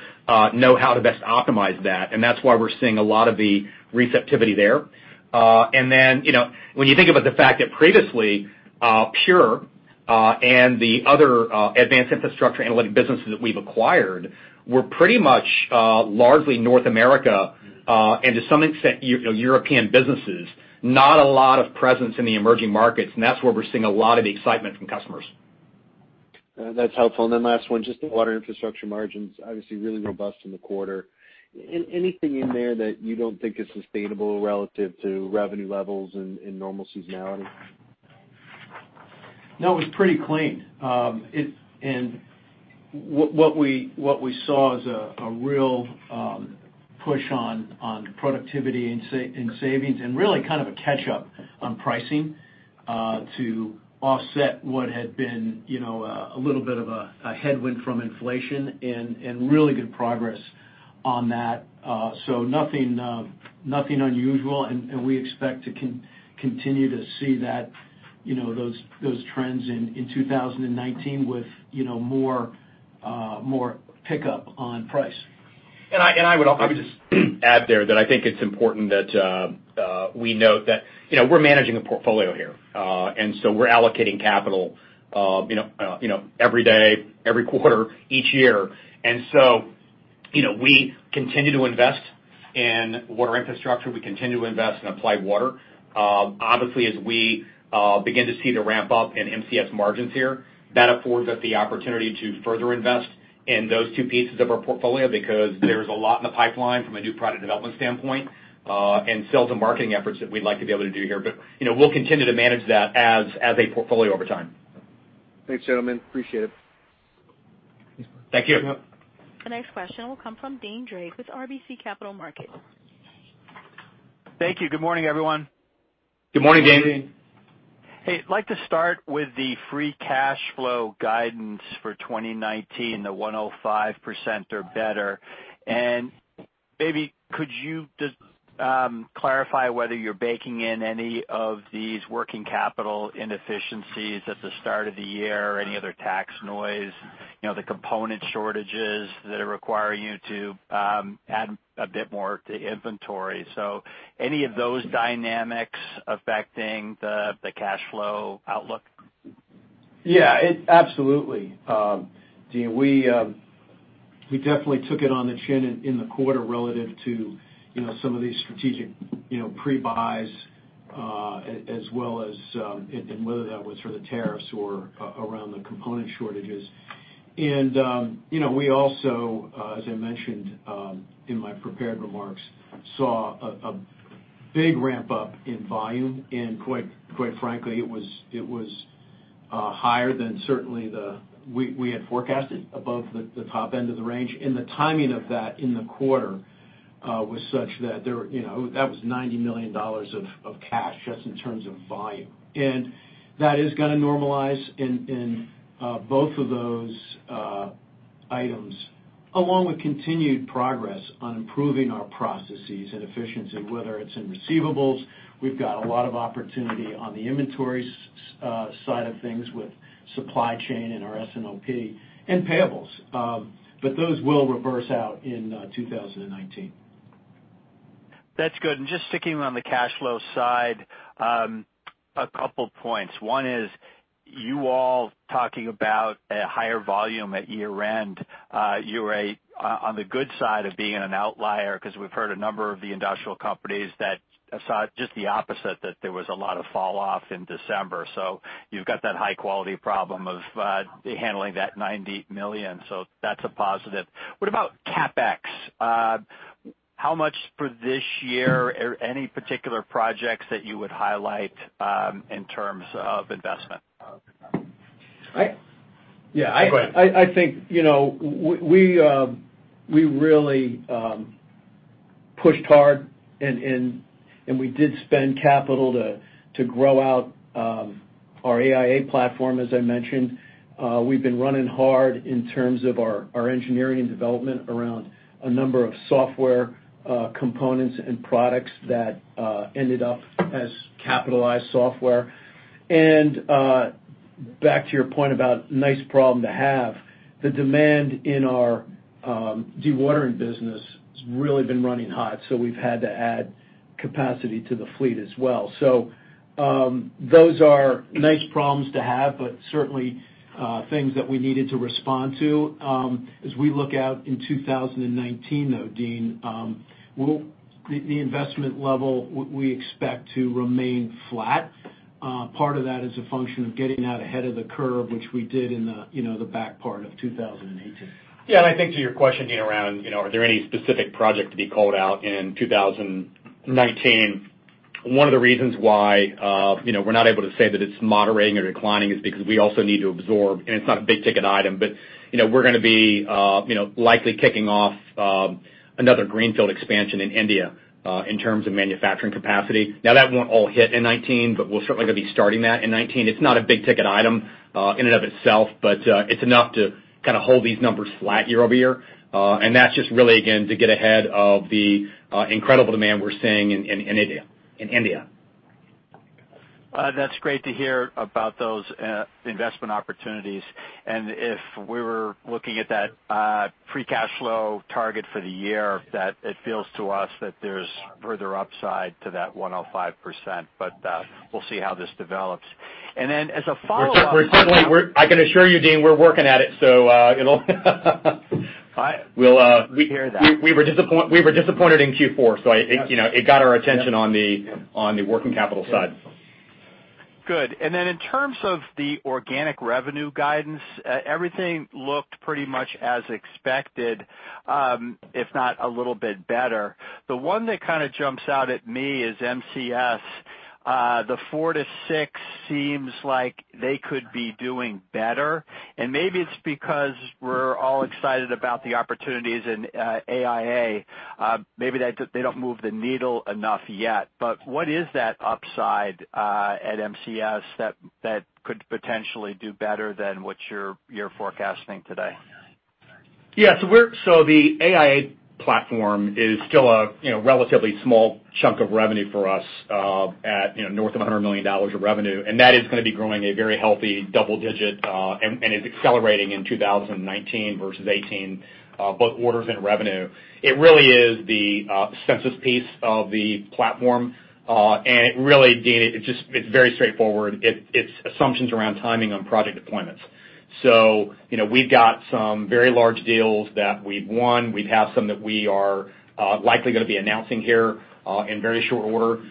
know how to best optimize that, and that's why we're seeing a lot of the receptivity there. When you think about the fact that previously, Pure and the other Advanced Infrastructure Analytic businesses that we've acquired were pretty much largely North America, and to some extent, European businesses, not a lot of presence in the emerging markets, and that's where we're seeing a lot of the excitement from customers. That's helpful. Then last one, just the Water Infrastructure margins, obviously really robust in the quarter. Anything in there that you don't think is sustainable relative to revenue levels and normal seasonality? No, it was pretty clean. What we saw is a real push on productivity and savings, really kind of a catch-up on pricing to offset what had been a little bit of a headwind from inflation and really good progress on that. Nothing unusual, we expect to continue to see those trends in 2019 with more pickup on price. I would just add there that I think it's important that we note that we're managing a portfolio here. We're allocating capital every day, every quarter, each year. We continue to invest in Water Infrastructure. We continue to invest in Applied Water. Obviously, as we begin to see the ramp up in MCS margins here, that affords us the opportunity to further invest in those two pieces of our portfolio because there's a lot in the pipeline from a new product development standpoint, and sales and marketing efforts that we'd like to be able to do here. We'll continue to manage that as a portfolio over time. Thanks, gentlemen. Appreciate it. Thank you. Sure. The next question will come from Deane Dray with RBC Capital Markets. Thank you. Good morning, everyone. Good morning, Deane. Hey, I'd like to start with the free cash flow guidance for 2019, the 105% or better. Maybe could you just clarify whether you're baking in any of these working capital inefficiencies at the start of the year or any other tax noise, the component shortages that are requiring you to add a bit more to inventory. Any of those dynamics affecting the cash flow outlook? Yeah. Absolutely. Deane, we definitely took it on the chin in the quarter relative to some of these strategic pre-buys as well as whether that was for the tariffs or around the component shortages. We also, as I mentioned in my prepared remarks, saw a big ramp-up in volume, quite frankly, it was higher than certainly we had forecasted, above the top end of the range. The timing of that in the quarter was such that that was $90 million of cash just in terms of volume. That is going to normalize in both of those items, along with continued progress on improving our processes and efficiency, whether it's in receivables. We've got a lot of opportunity on the inventory side of things with supply chain and our S&OP and payables. Those will reverse out in 2019. That's good. Just sticking on the cash flow side, a couple points. One is you all talking about a higher volume at year-end. You were on the good side of being an outlier because we've heard a number of the industrial companies that saw just the opposite, that there was a lot of fall off in December. You've got that high-quality problem of handling that $90 million. That's a positive. What about CapEx? How much for this year? Any particular projects that you would highlight in terms of investment? Yeah. Go ahead. I think we really pushed hard and we did spend capital to grow out our AIA platform, as I mentioned. We've been running hard in terms of our engineering and development around a number of software components and products that ended up as capitalized software. Back to your point about nice problem to have, the demand in our dewatering business has really been running hot. We've had to add capacity to the fleet as well. Those are nice problems to have, but certainly things that we needed to respond to. As we look out in 2019, though, Deane, the investment level, we expect to remain flat. Part of that is a function of getting out ahead of the curve, which we did in the back part of 2018. Yeah, I think to your question, Deane, around are there any specific project to be called out in 2019? One of the reasons why we're not able to say that it's moderating or declining is because we also need to absorb, and it's not a big-ticket item, but we're going to be likely kicking off another greenfield expansion in India in terms of manufacturing capacity. That won't all hit in 2019, but we're certainly going to be starting that in 2019. It's not a big-ticket item in and of itself, but it's enough to kind of hold these numbers flat year-over-year. That's just really, again, to get ahead of the incredible demand we're seeing in India. That's great to hear about those investment opportunities, and if we were looking at that free cash flow target for the year, that it feels to us that there's further upside to that 105%, but we'll see how this develops. As a follow-up- We're certainly, I can assure you, Deane, we're working at it. We hear that. We were disappointed in Q4, so it got our attention on the working capital side. Good. Then in terms of the organic revenue guidance, everything looked pretty much as expected, if not a little bit better. The one that kind of jumps out at me is MCS. The 4%-6% seems like they could be doing better, and maybe it's because we're all excited about the opportunities in AIA. Maybe they don't move the needle enough yet, but what is that upside at MCS that could potentially do better than what you're forecasting today? Yeah. The AIA platform is still a relatively small chunk of revenue for us at north of $100 million of revenue. That is going to be growing a very healthy double-digit, and is accelerating in 2019 versus 2018, both orders and revenue. It really is the Sensus piece of the platform. It really, Deane, it's very straightforward. It's assumptions around timing on project deployments. We've got some very large deals that we've won. We have some that we are likely going to be announcing here in very short order.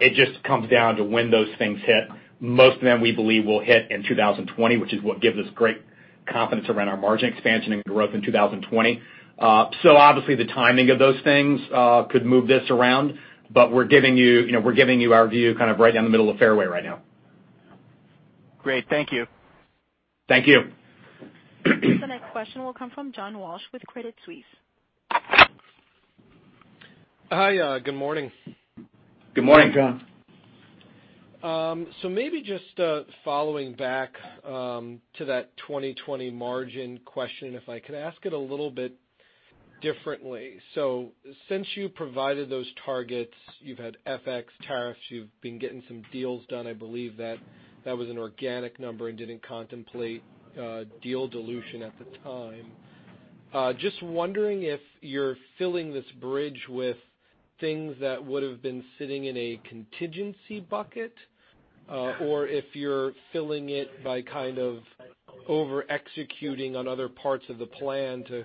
It just comes down to when those things hit. Most of them, we believe, will hit in 2020, which is what gives us great confidence around our margin expansion and growth in 2020. Obviously, the timing of those things could move this around. We're giving you our view kind of right down the middle of the fairway right now. Great. Thank you. Thank you. The next question will come from John Walsh with Credit Suisse. Hi. Good morning. Good morning, John. Maybe just following back to that 2020 margin question, if I could ask it a little bit differently. Since you provided those targets, you've had FX tariffs, you've been getting some deals done. I believe that was an organic number and didn't contemplate deal dilution at the time. Just wondering if you're filling this bridge with things that would've been sitting in a contingency bucket, or if you're filling it by kind of over-executing on other parts of the plan to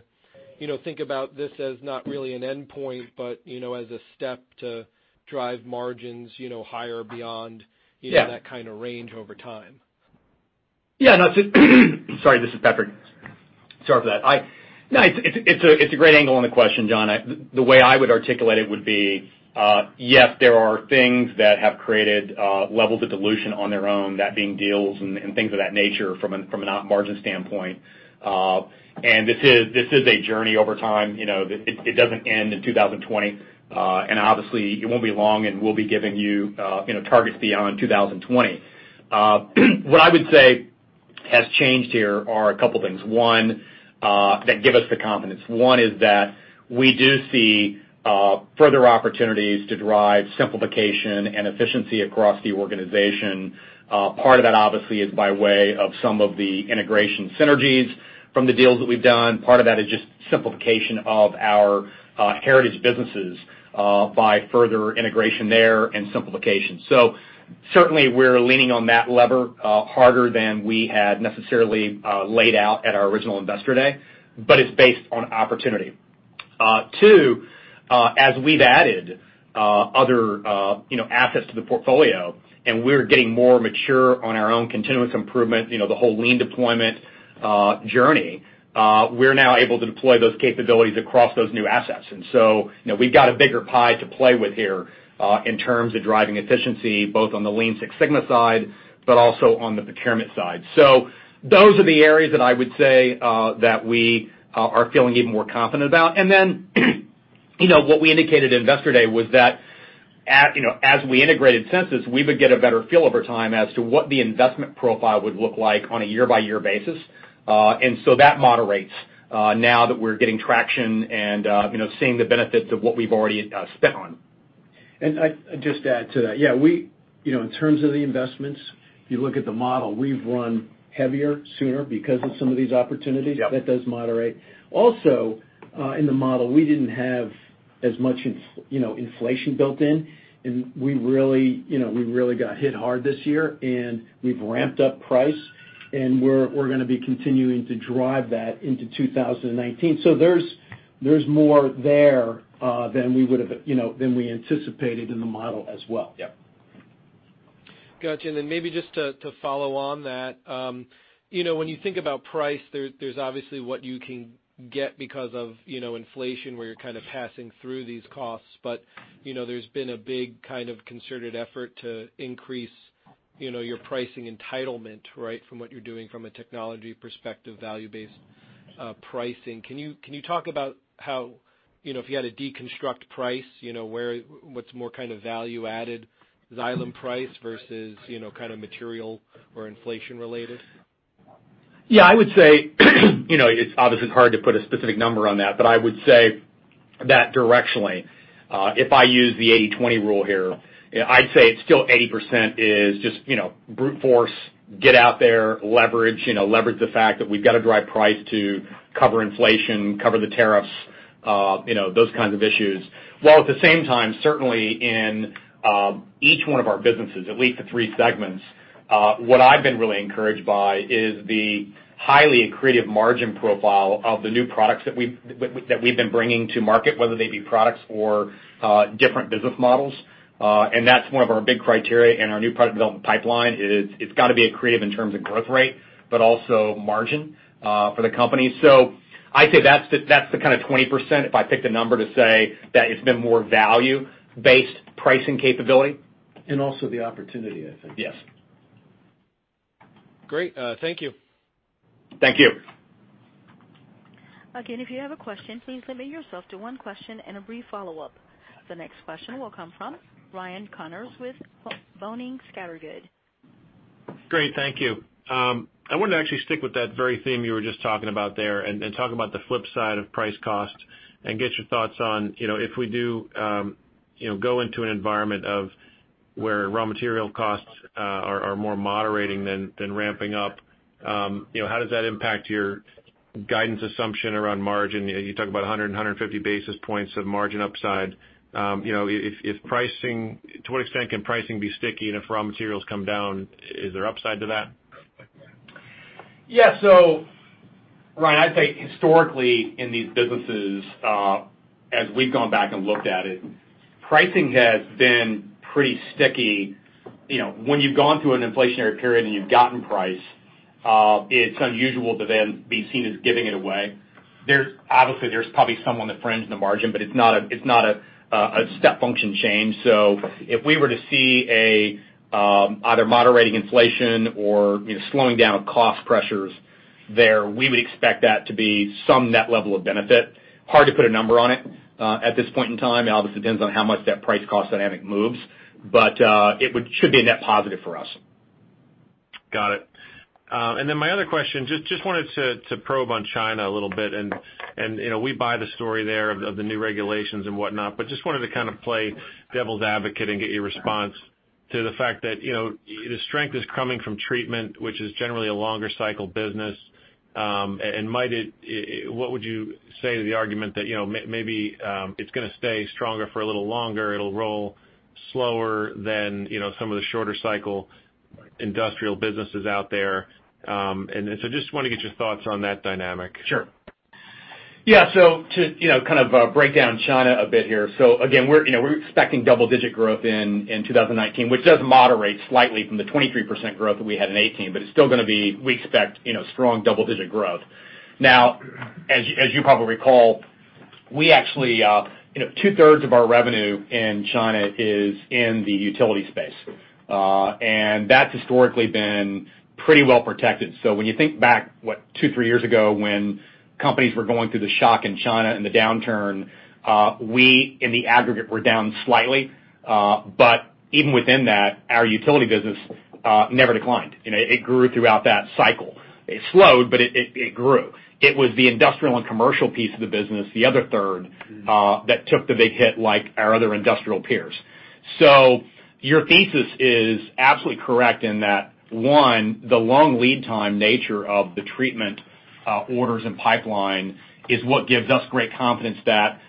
think about this as not really an endpoint, but as a step to drive margins higher beyond- Yeah that kind of range over time. Sorry, this is Patrick. Sorry for that. It's a great angle on the question, John. The way I would articulate it would be, yes, there are things that have created levels of dilution on their own, that being deals and things of that nature from a margin standpoint. This is a journey over time. It doesn't end in 2020. Obviously, it won't be long and we'll be giving you targets beyond 2020. What I would say has changed here are a couple of things. One, that give us the confidence. One is that we do see further opportunities to drive simplification and efficiency across the organization. Part of that obviously is by way of some of the integration synergies from the deals that we've done. Part of that is just simplification of our heritage businesses by further integration there and simplification. Certainly, we're leaning on that lever harder than we had necessarily laid out at our original Investor Day, but it's based on opportunity. Two, as we've added other assets to the portfolio and we're getting more mature on our own continuous improvement, the whole lean deployment journey, we're now able to deploy those capabilities across those new assets. We've got a bigger pie to play with here in terms of driving efficiency, both on the Lean Six Sigma side, but also on the procurement side. Those are the areas that I would say that we are feeling even more confident about. Then, what we indicated at Investor Day was that as we integrated Sensus, we would get a better feel over time as to what the investment profile would look like on a year-by-year basis. That moderates now that we're getting traction and seeing the benefits of what we've already spent on. I'd just add to that. In terms of the investments, you look at the model, we've run heavier sooner because of some of these opportunities. That does moderate. Also, in the model, we didn't have as much inflation built in. We really got hit hard this year. We've ramped up price, and we're going to be continuing to drive that into 2019. There's more there than we anticipated in the model as well. Yep. Got you. Then maybe just to follow on that. When you think about price, there's obviously what you can get because of inflation, where you're kind of passing through these costs. There's been a big kind of concerted effort to increase your pricing entitlement, right, from what you're doing from a technology perspective, value-based pricing. Can you talk about how, if you had to deconstruct price, what's more kind of value added Xylem price versus kind of material or inflation related? I would say, it's obviously hard to put a specific number on that, but I would say that directionally, if I use the 80/20 rule here, I'd say it's still 80% is just brute force, get out there, leverage the fact that we've got to drive price to cover inflation, cover the tariffs, those kinds of issues. While at the same time, certainly in each one of our businesses, at least the three segments, what I've been really encouraged by is the highly accretive margin profile of the new products that we've been bringing to market, whether they be products or different business models. That's one of our big criteria in our new product development pipeline, is it's got to be accretive in terms of growth rate, but also margin for the company. I'd say that's the kind of 20%, if I picked a number to say that it's been more value-based pricing capability. Also the opportunity, I think. Yes. Great. Thank you. Thank you. Again, if you have a question, please limit yourself to one question and a brief follow-up. The next question will come from Ryan Connors with Boenning & Scattergood. Great. Thank you. I wanted to actually stick with that very theme you were just talking about there, and talk about the flip side of price cost and get your thoughts on if we do go into an environment of where raw material costs are more moderating than ramping up, how does that impact your guidance assumption around margin? You talk about 100 basis points and 150 basis points of margin upside. To what extent can pricing be sticky? If raw materials come down, is there upside to that? Yeah. Ryan, I'd say historically in these businesses, as we've gone back and looked at it, pricing has been pretty sticky. When you've gone through an inflationary period and you've gotten price, it's unusual to then be seen as giving it away. Obviously, there's probably some on the fringe in the margin, but it's not a step function change. If we were to see a either moderating inflation or slowing down of cost pressures there, we would expect that to be some net level of benefit. Hard to put a number on it at this point in time. Obviously, it depends on how much that price cost dynamic moves. It should be a net positive for us. Got it. My other question, just wanted to probe on China a little bit, we buy the story there of the new regulations and whatnot, just wanted to kind of play devil's advocate and get your response to the fact that the strength is coming from treatment, which is generally a longer cycle business. What would you say to the argument that maybe it's going to stay stronger for a little longer. It'll roll slower than some of the shorter cycle industrial businesses out there. Just want to get your thoughts on that dynamic. Sure. Yeah. To kind of break down China a bit here. Again, we're expecting double digit growth in 2019, which does moderate slightly from the 23% growth that we had in 2018. It's still going to be, we expect, strong double digit growth. As you probably recall, we actually, two-thirds of our revenue in China is in the utility space. That's historically been pretty well protected. When you think back, what, two, three years ago, when companies were going through the shock in China and the downturn, we in the aggregate were down slightly. Even within that, our Utility business never declined. It grew throughout that cycle. It slowed, but it grew. It was the industrial and commercial piece of the business, the other third, that took the big hit like our other industrial peers. Your thesis is absolutely correct in that, one, the long lead time nature of the treatment orders and pipeline is what gives us great confidence that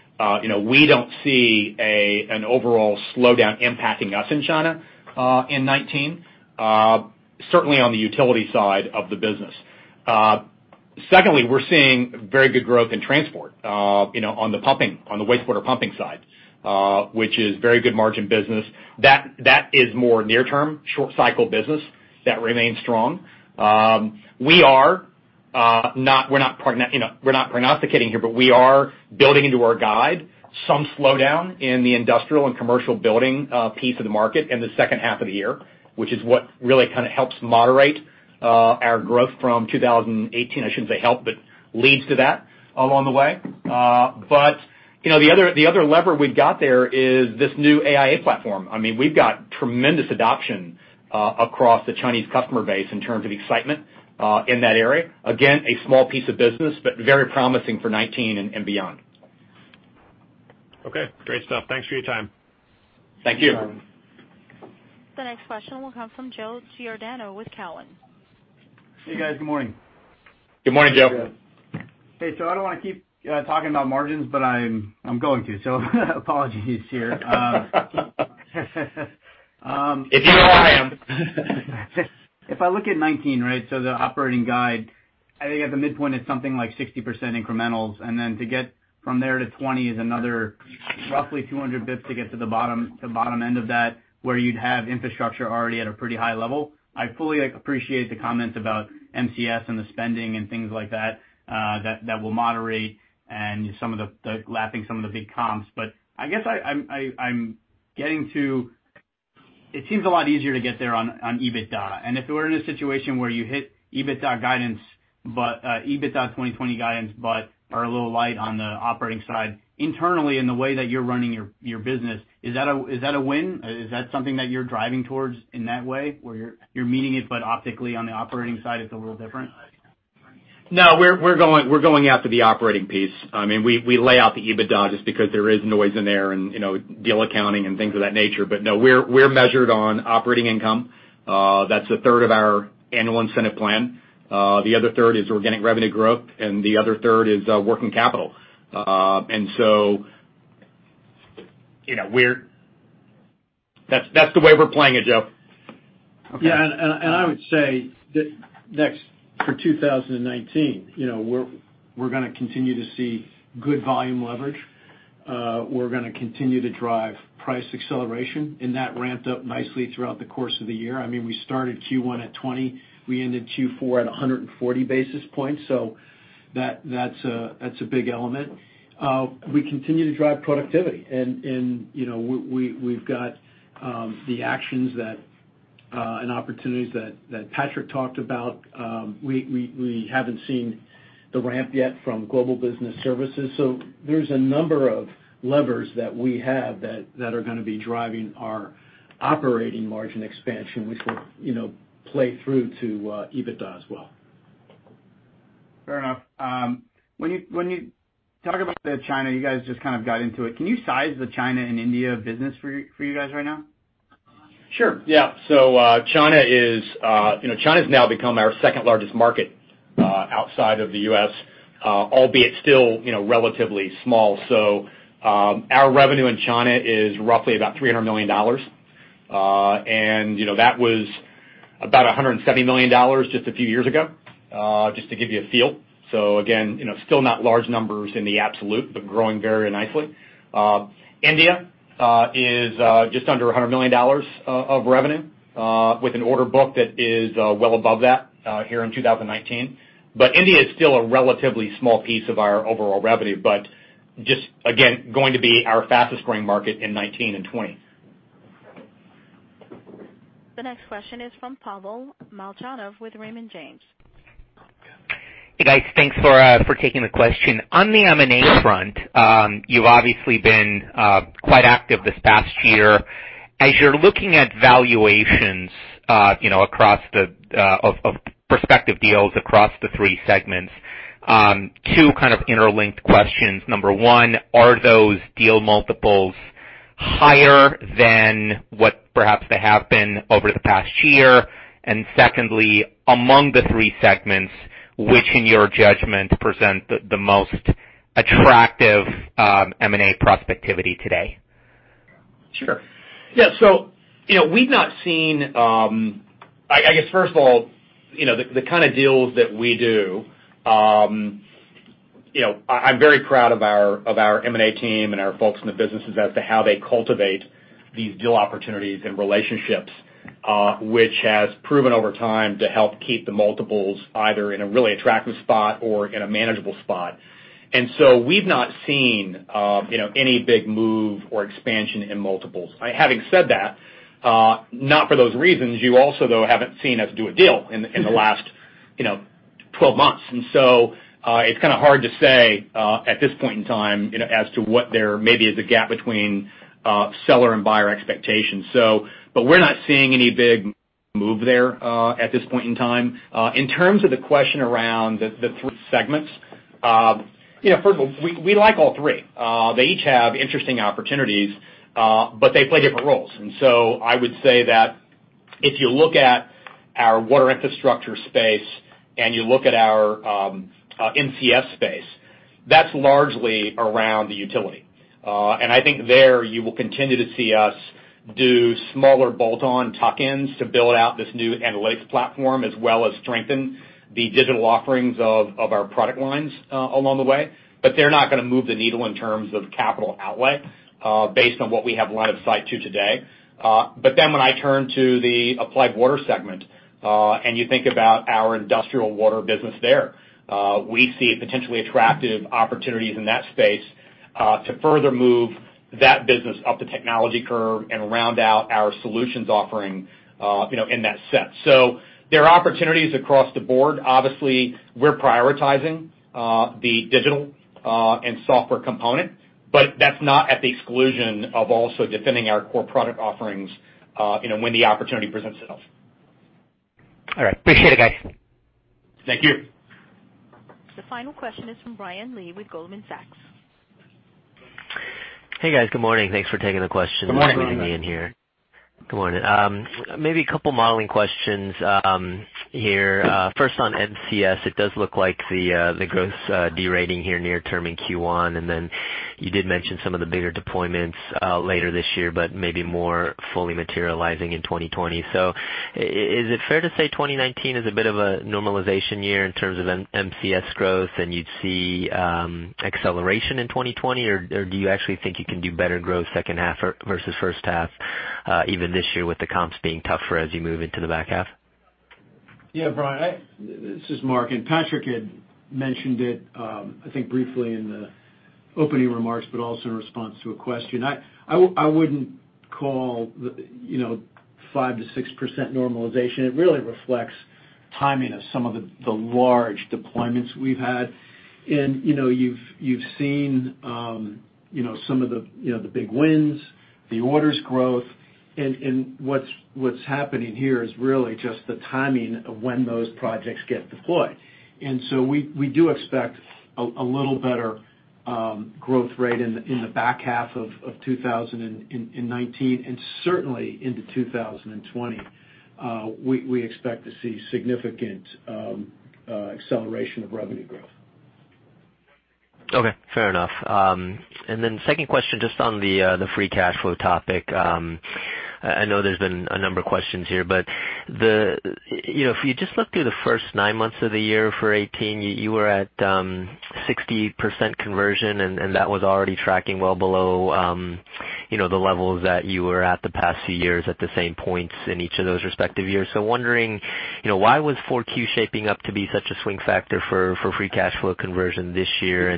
we don't see an overall slowdown impacting us in China in 2019. Certainly on the Utility side of the business. Secondly, we're seeing very good growth in transport on the wastewater pumping side, which is very good margin business. That is more near term, short cycle business. That remains strong. We're not prognosticating here, but we are building into our guide some slowdown in the industrial and commercial building piece of the market in the second half of the year, which is what really kind of helps moderate our growth from 2018. I shouldn't say help, but leads to that along the way. The other lever we've got there is this new AIA platform. We've got tremendous adoption across the Chinese customer base in terms of excitement in that area. Again, a small piece of business, but very promising for 2019 and beyond. Okay. Great stuff. Thanks for your time. Thank you. The next question will come from Joe Giordano with Cowen. Hey, guys. Good morning. Good morning, Joe. Good. Hey, I don't want to keep talking about margins, but I'm going to. Apologies here. If you know, I am. If I look at 2019, right, the operating guide, I think at the midpoint it's something like 60% incrementals. To get from there to 2020 is another roughly 200 basis points to get to the bottom end of that, where you'd have Water Infrastructure already at a pretty high level. I fully appreciate the comments about MCS and the spending and things like that will moderate and some of the lapping some of the big comps. I guess it seems a lot easier to get there on EBITDA. If we're in a situation where you hit EBITDA 2020 guidance, but are a little light on the operating side internally in the way that you're running your business, is that a win? Is that something that you're driving towards in that way, where you're meeting it, but optically on the operating side it's a little different? No, we're going after the operating piece. We lay out the EBITDA just because there is noise in there and deal accounting and things of that nature. No, we're measured on operating income. That's a third of our annual incentive plan. The other third is organic revenue growth, and the other third is working capital. That's the way we're playing it, Joe. Okay. Yeah, I would say that for 2019, we're going to continue to see good volume leverage. We're going to continue to drive price acceleration, and that ramped up nicely throughout the course of the year. We started Q1 at 20. We ended Q4 at 140 basis points. That's a big element. We continue to drive productivity, and we've got the actions and opportunities that Patrick talked about. We haven't seen the ramp yet from global business services. There's a number of levers that we have that are going to be driving our operating margin expansion, which will play through to EBITDA as well. Fair enough. When you talk about China, you guys just kind of got into it. Can you size the China and India business for you guys right now? Sure. Yeah. China's now become our second-largest market outside of the U.S., albeit still relatively small. Our revenue in China is roughly about $300 million. That was about $170 million just a few years ago, just to give you a feel. Again, still not large numbers in the absolute, but growing very nicely. India is just under $100 million of revenue, with an order book that is well above that here in 2019. India is still a relatively small piece of our overall revenue, but just, again, going to be our fastest-growing market in 2019 and 2020. The next question is from Pavel Molchanov with Raymond James. Hey, guys. Thanks for taking the question. On the M&A front, you've obviously been quite active this past year. As you're looking at valuations of prospective deals across the three segments, two kind of interlinked questions. Number one, are those deal multiples higher than what perhaps they have been over the past year? Secondly, among the three segments, which, in your judgment, present the most attractive M&A prospectivity today? Sure. I guess, first of all, the kind of deals that we do, I'm very proud of our M&A team and our folks in the businesses as to how they cultivate these deal opportunities and relationships, which has proven over time to help keep the multiples either in a really attractive spot or in a manageable spot. We've not seen any big move or expansion in multiples. Having said that, not for those reasons, you also though haven't seen us do a deal in the last 12 months. It's kind of hard to say, at this point in time, as to what there maybe is a gap between seller and buyer expectations. We're not seeing any big move there at this point in time. In terms of the question around the three segments. First of all, we like all three. They each have interesting opportunities, but they play different roles. I would say that if you look at our Water Infrastructure space and you look at our MCS space, that's largely around the utility. I think there you will continue to see us do smaller bolt-on tuck-ins to build out this new analytics platform, as well as strengthen the digital offerings of our product lines along the way. They're not going to move the needle in terms of capital outlay, based on what we have line of sight to today. When I turn to the Applied Water segment, and you think about our industrial water business there, we see potentially attractive opportunities in that space to further move that business up the technology curve and round out our solutions offering in that sense. There are opportunities across the board. Obviously, we're prioritizing the digital and software component, but that's not at the exclusion of also defending our core product offerings when the opportunity presents itself. All right. Appreciate it, guys. Thank you. The final question is from Brian Lee with Goldman Sachs. Hey, guys. Good morning. Thanks for taking the questions. Good morning. And letting me in here. Good morning. Maybe a couple modeling questions here. First on MCS, it does look like the growth derating here near term in Q1. You did mention some of the bigger deployments later this year, but maybe more fully materializing in 2020. Is it fair to say 2019 is a bit of a normalization year in terms of MCS growth and you'd see acceleration in 2020? Or do you actually think you can do better growth second half versus first half, even this year with the comps being tougher as you move into the back half? Yeah, Brian. This is Mark. Patrick had mentioned it, I think, briefly in the opening remarks, but also in response to a question. I wouldn't call 5%-6% normalization. It really reflects timing of some of the large deployments we've had. You've seen some of the big wins, the orders growth, and what's happening here is really just the timing of when those projects get deployed. We do expect a little better growth rate in the back half of 2019 and certainly into 2020. We expect to see significant acceleration of revenue growth. Okay, fair enough. Second question, just on the free cash flow topic. I know there's been a number of questions here, but if you just look through the first nine months of the year for 2018, you were at 60% conversion, and that was already tracking well below the levels that you were at the past few years at the same points in each of those respective years. Wondering, why was Q4 shaping up to be such a swing factor for free cash flow conversion this year?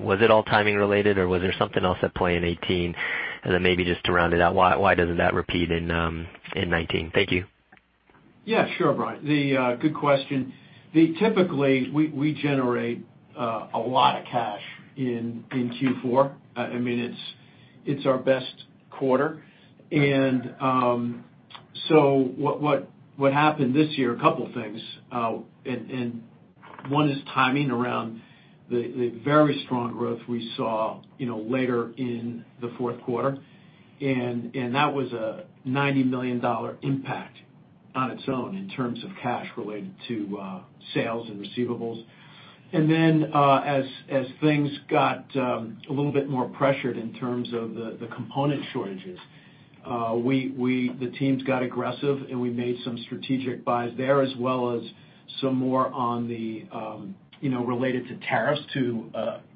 Was it all timing related, or was there something else at play in 2018? Maybe just to round it out, why doesn't that repeat in 2019? Thank you. Yeah. Sure, Brian. Good question. Typically, we generate a lot of cash in Q4. It's our best quarter. What happened this year, a couple things. One is timing around the very strong growth we saw later in the fourth quarter, and that was a $90 million impact on its own in terms of cash related to sales and receivables. As things got a little bit more pressured in terms of the component shortages, the teams got aggressive, and we made some strategic buys there, as well as some more related to tariffs to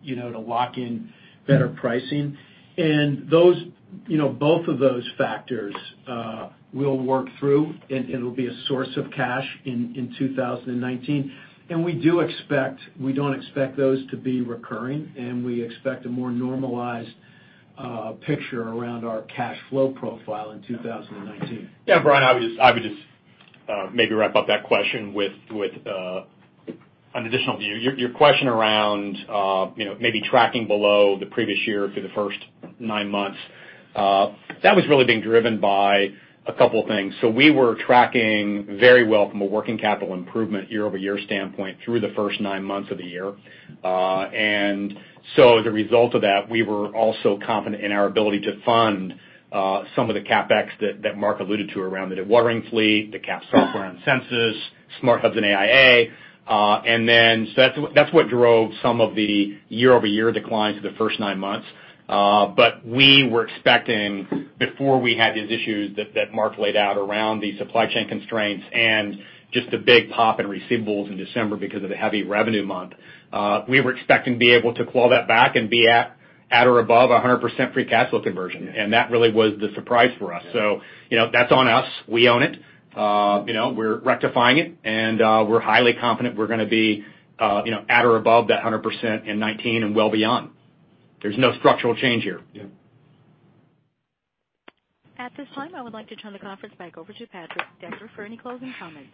lock in better pricing. Both of those factors we'll work through, and it'll be a source of cash in 2019. We don't expect those to be recurring, and we expect a more normalized picture around our cash flow profile in 2019. Brian, I would just maybe wrap up that question with an additional view. Your question around maybe tracking below the previous year through the first nine months, that was really being driven by a couple things. We were tracking very well from a working capital improvement year-over-year standpoint through the first nine months of the year. As a result of that, we were also confident in our ability to fund some of the CapEx that Mark alluded to around the dewatering fleet, the cap software and Sensus, smart hubs and AIA. That's what drove some of the year-over-year declines for the first nine months. We were expecting, before we had these issues that Mark laid out around the supply chain constraints and just the big pop in receivables in December because of the heavy revenue month, we were expecting to be able to claw that back and be at or above 100% free cash flow conversion. That really was the surprise for us. That's on us. We own it. We're rectifying it, and we're highly confident we're going to be at or above that 100% in 2019 and well beyond. There's no structural change here. Yeah. At this time, I would like to turn the conference back over to Patrick Decker for any closing comments.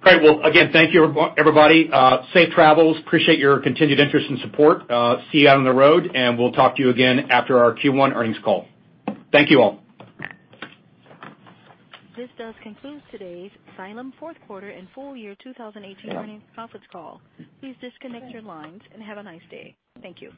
Great. Again, thank you, everybody. Safe travels. Appreciate your continued interest and support. See you out on the road, and we'll talk to you again after our Q1 earnings call. Thank you all. This does conclude today's Xylem Fourth Quarter and Full Year 2018 Earnings Conference Call. Please disconnect your lines, have a nice day. Thank you.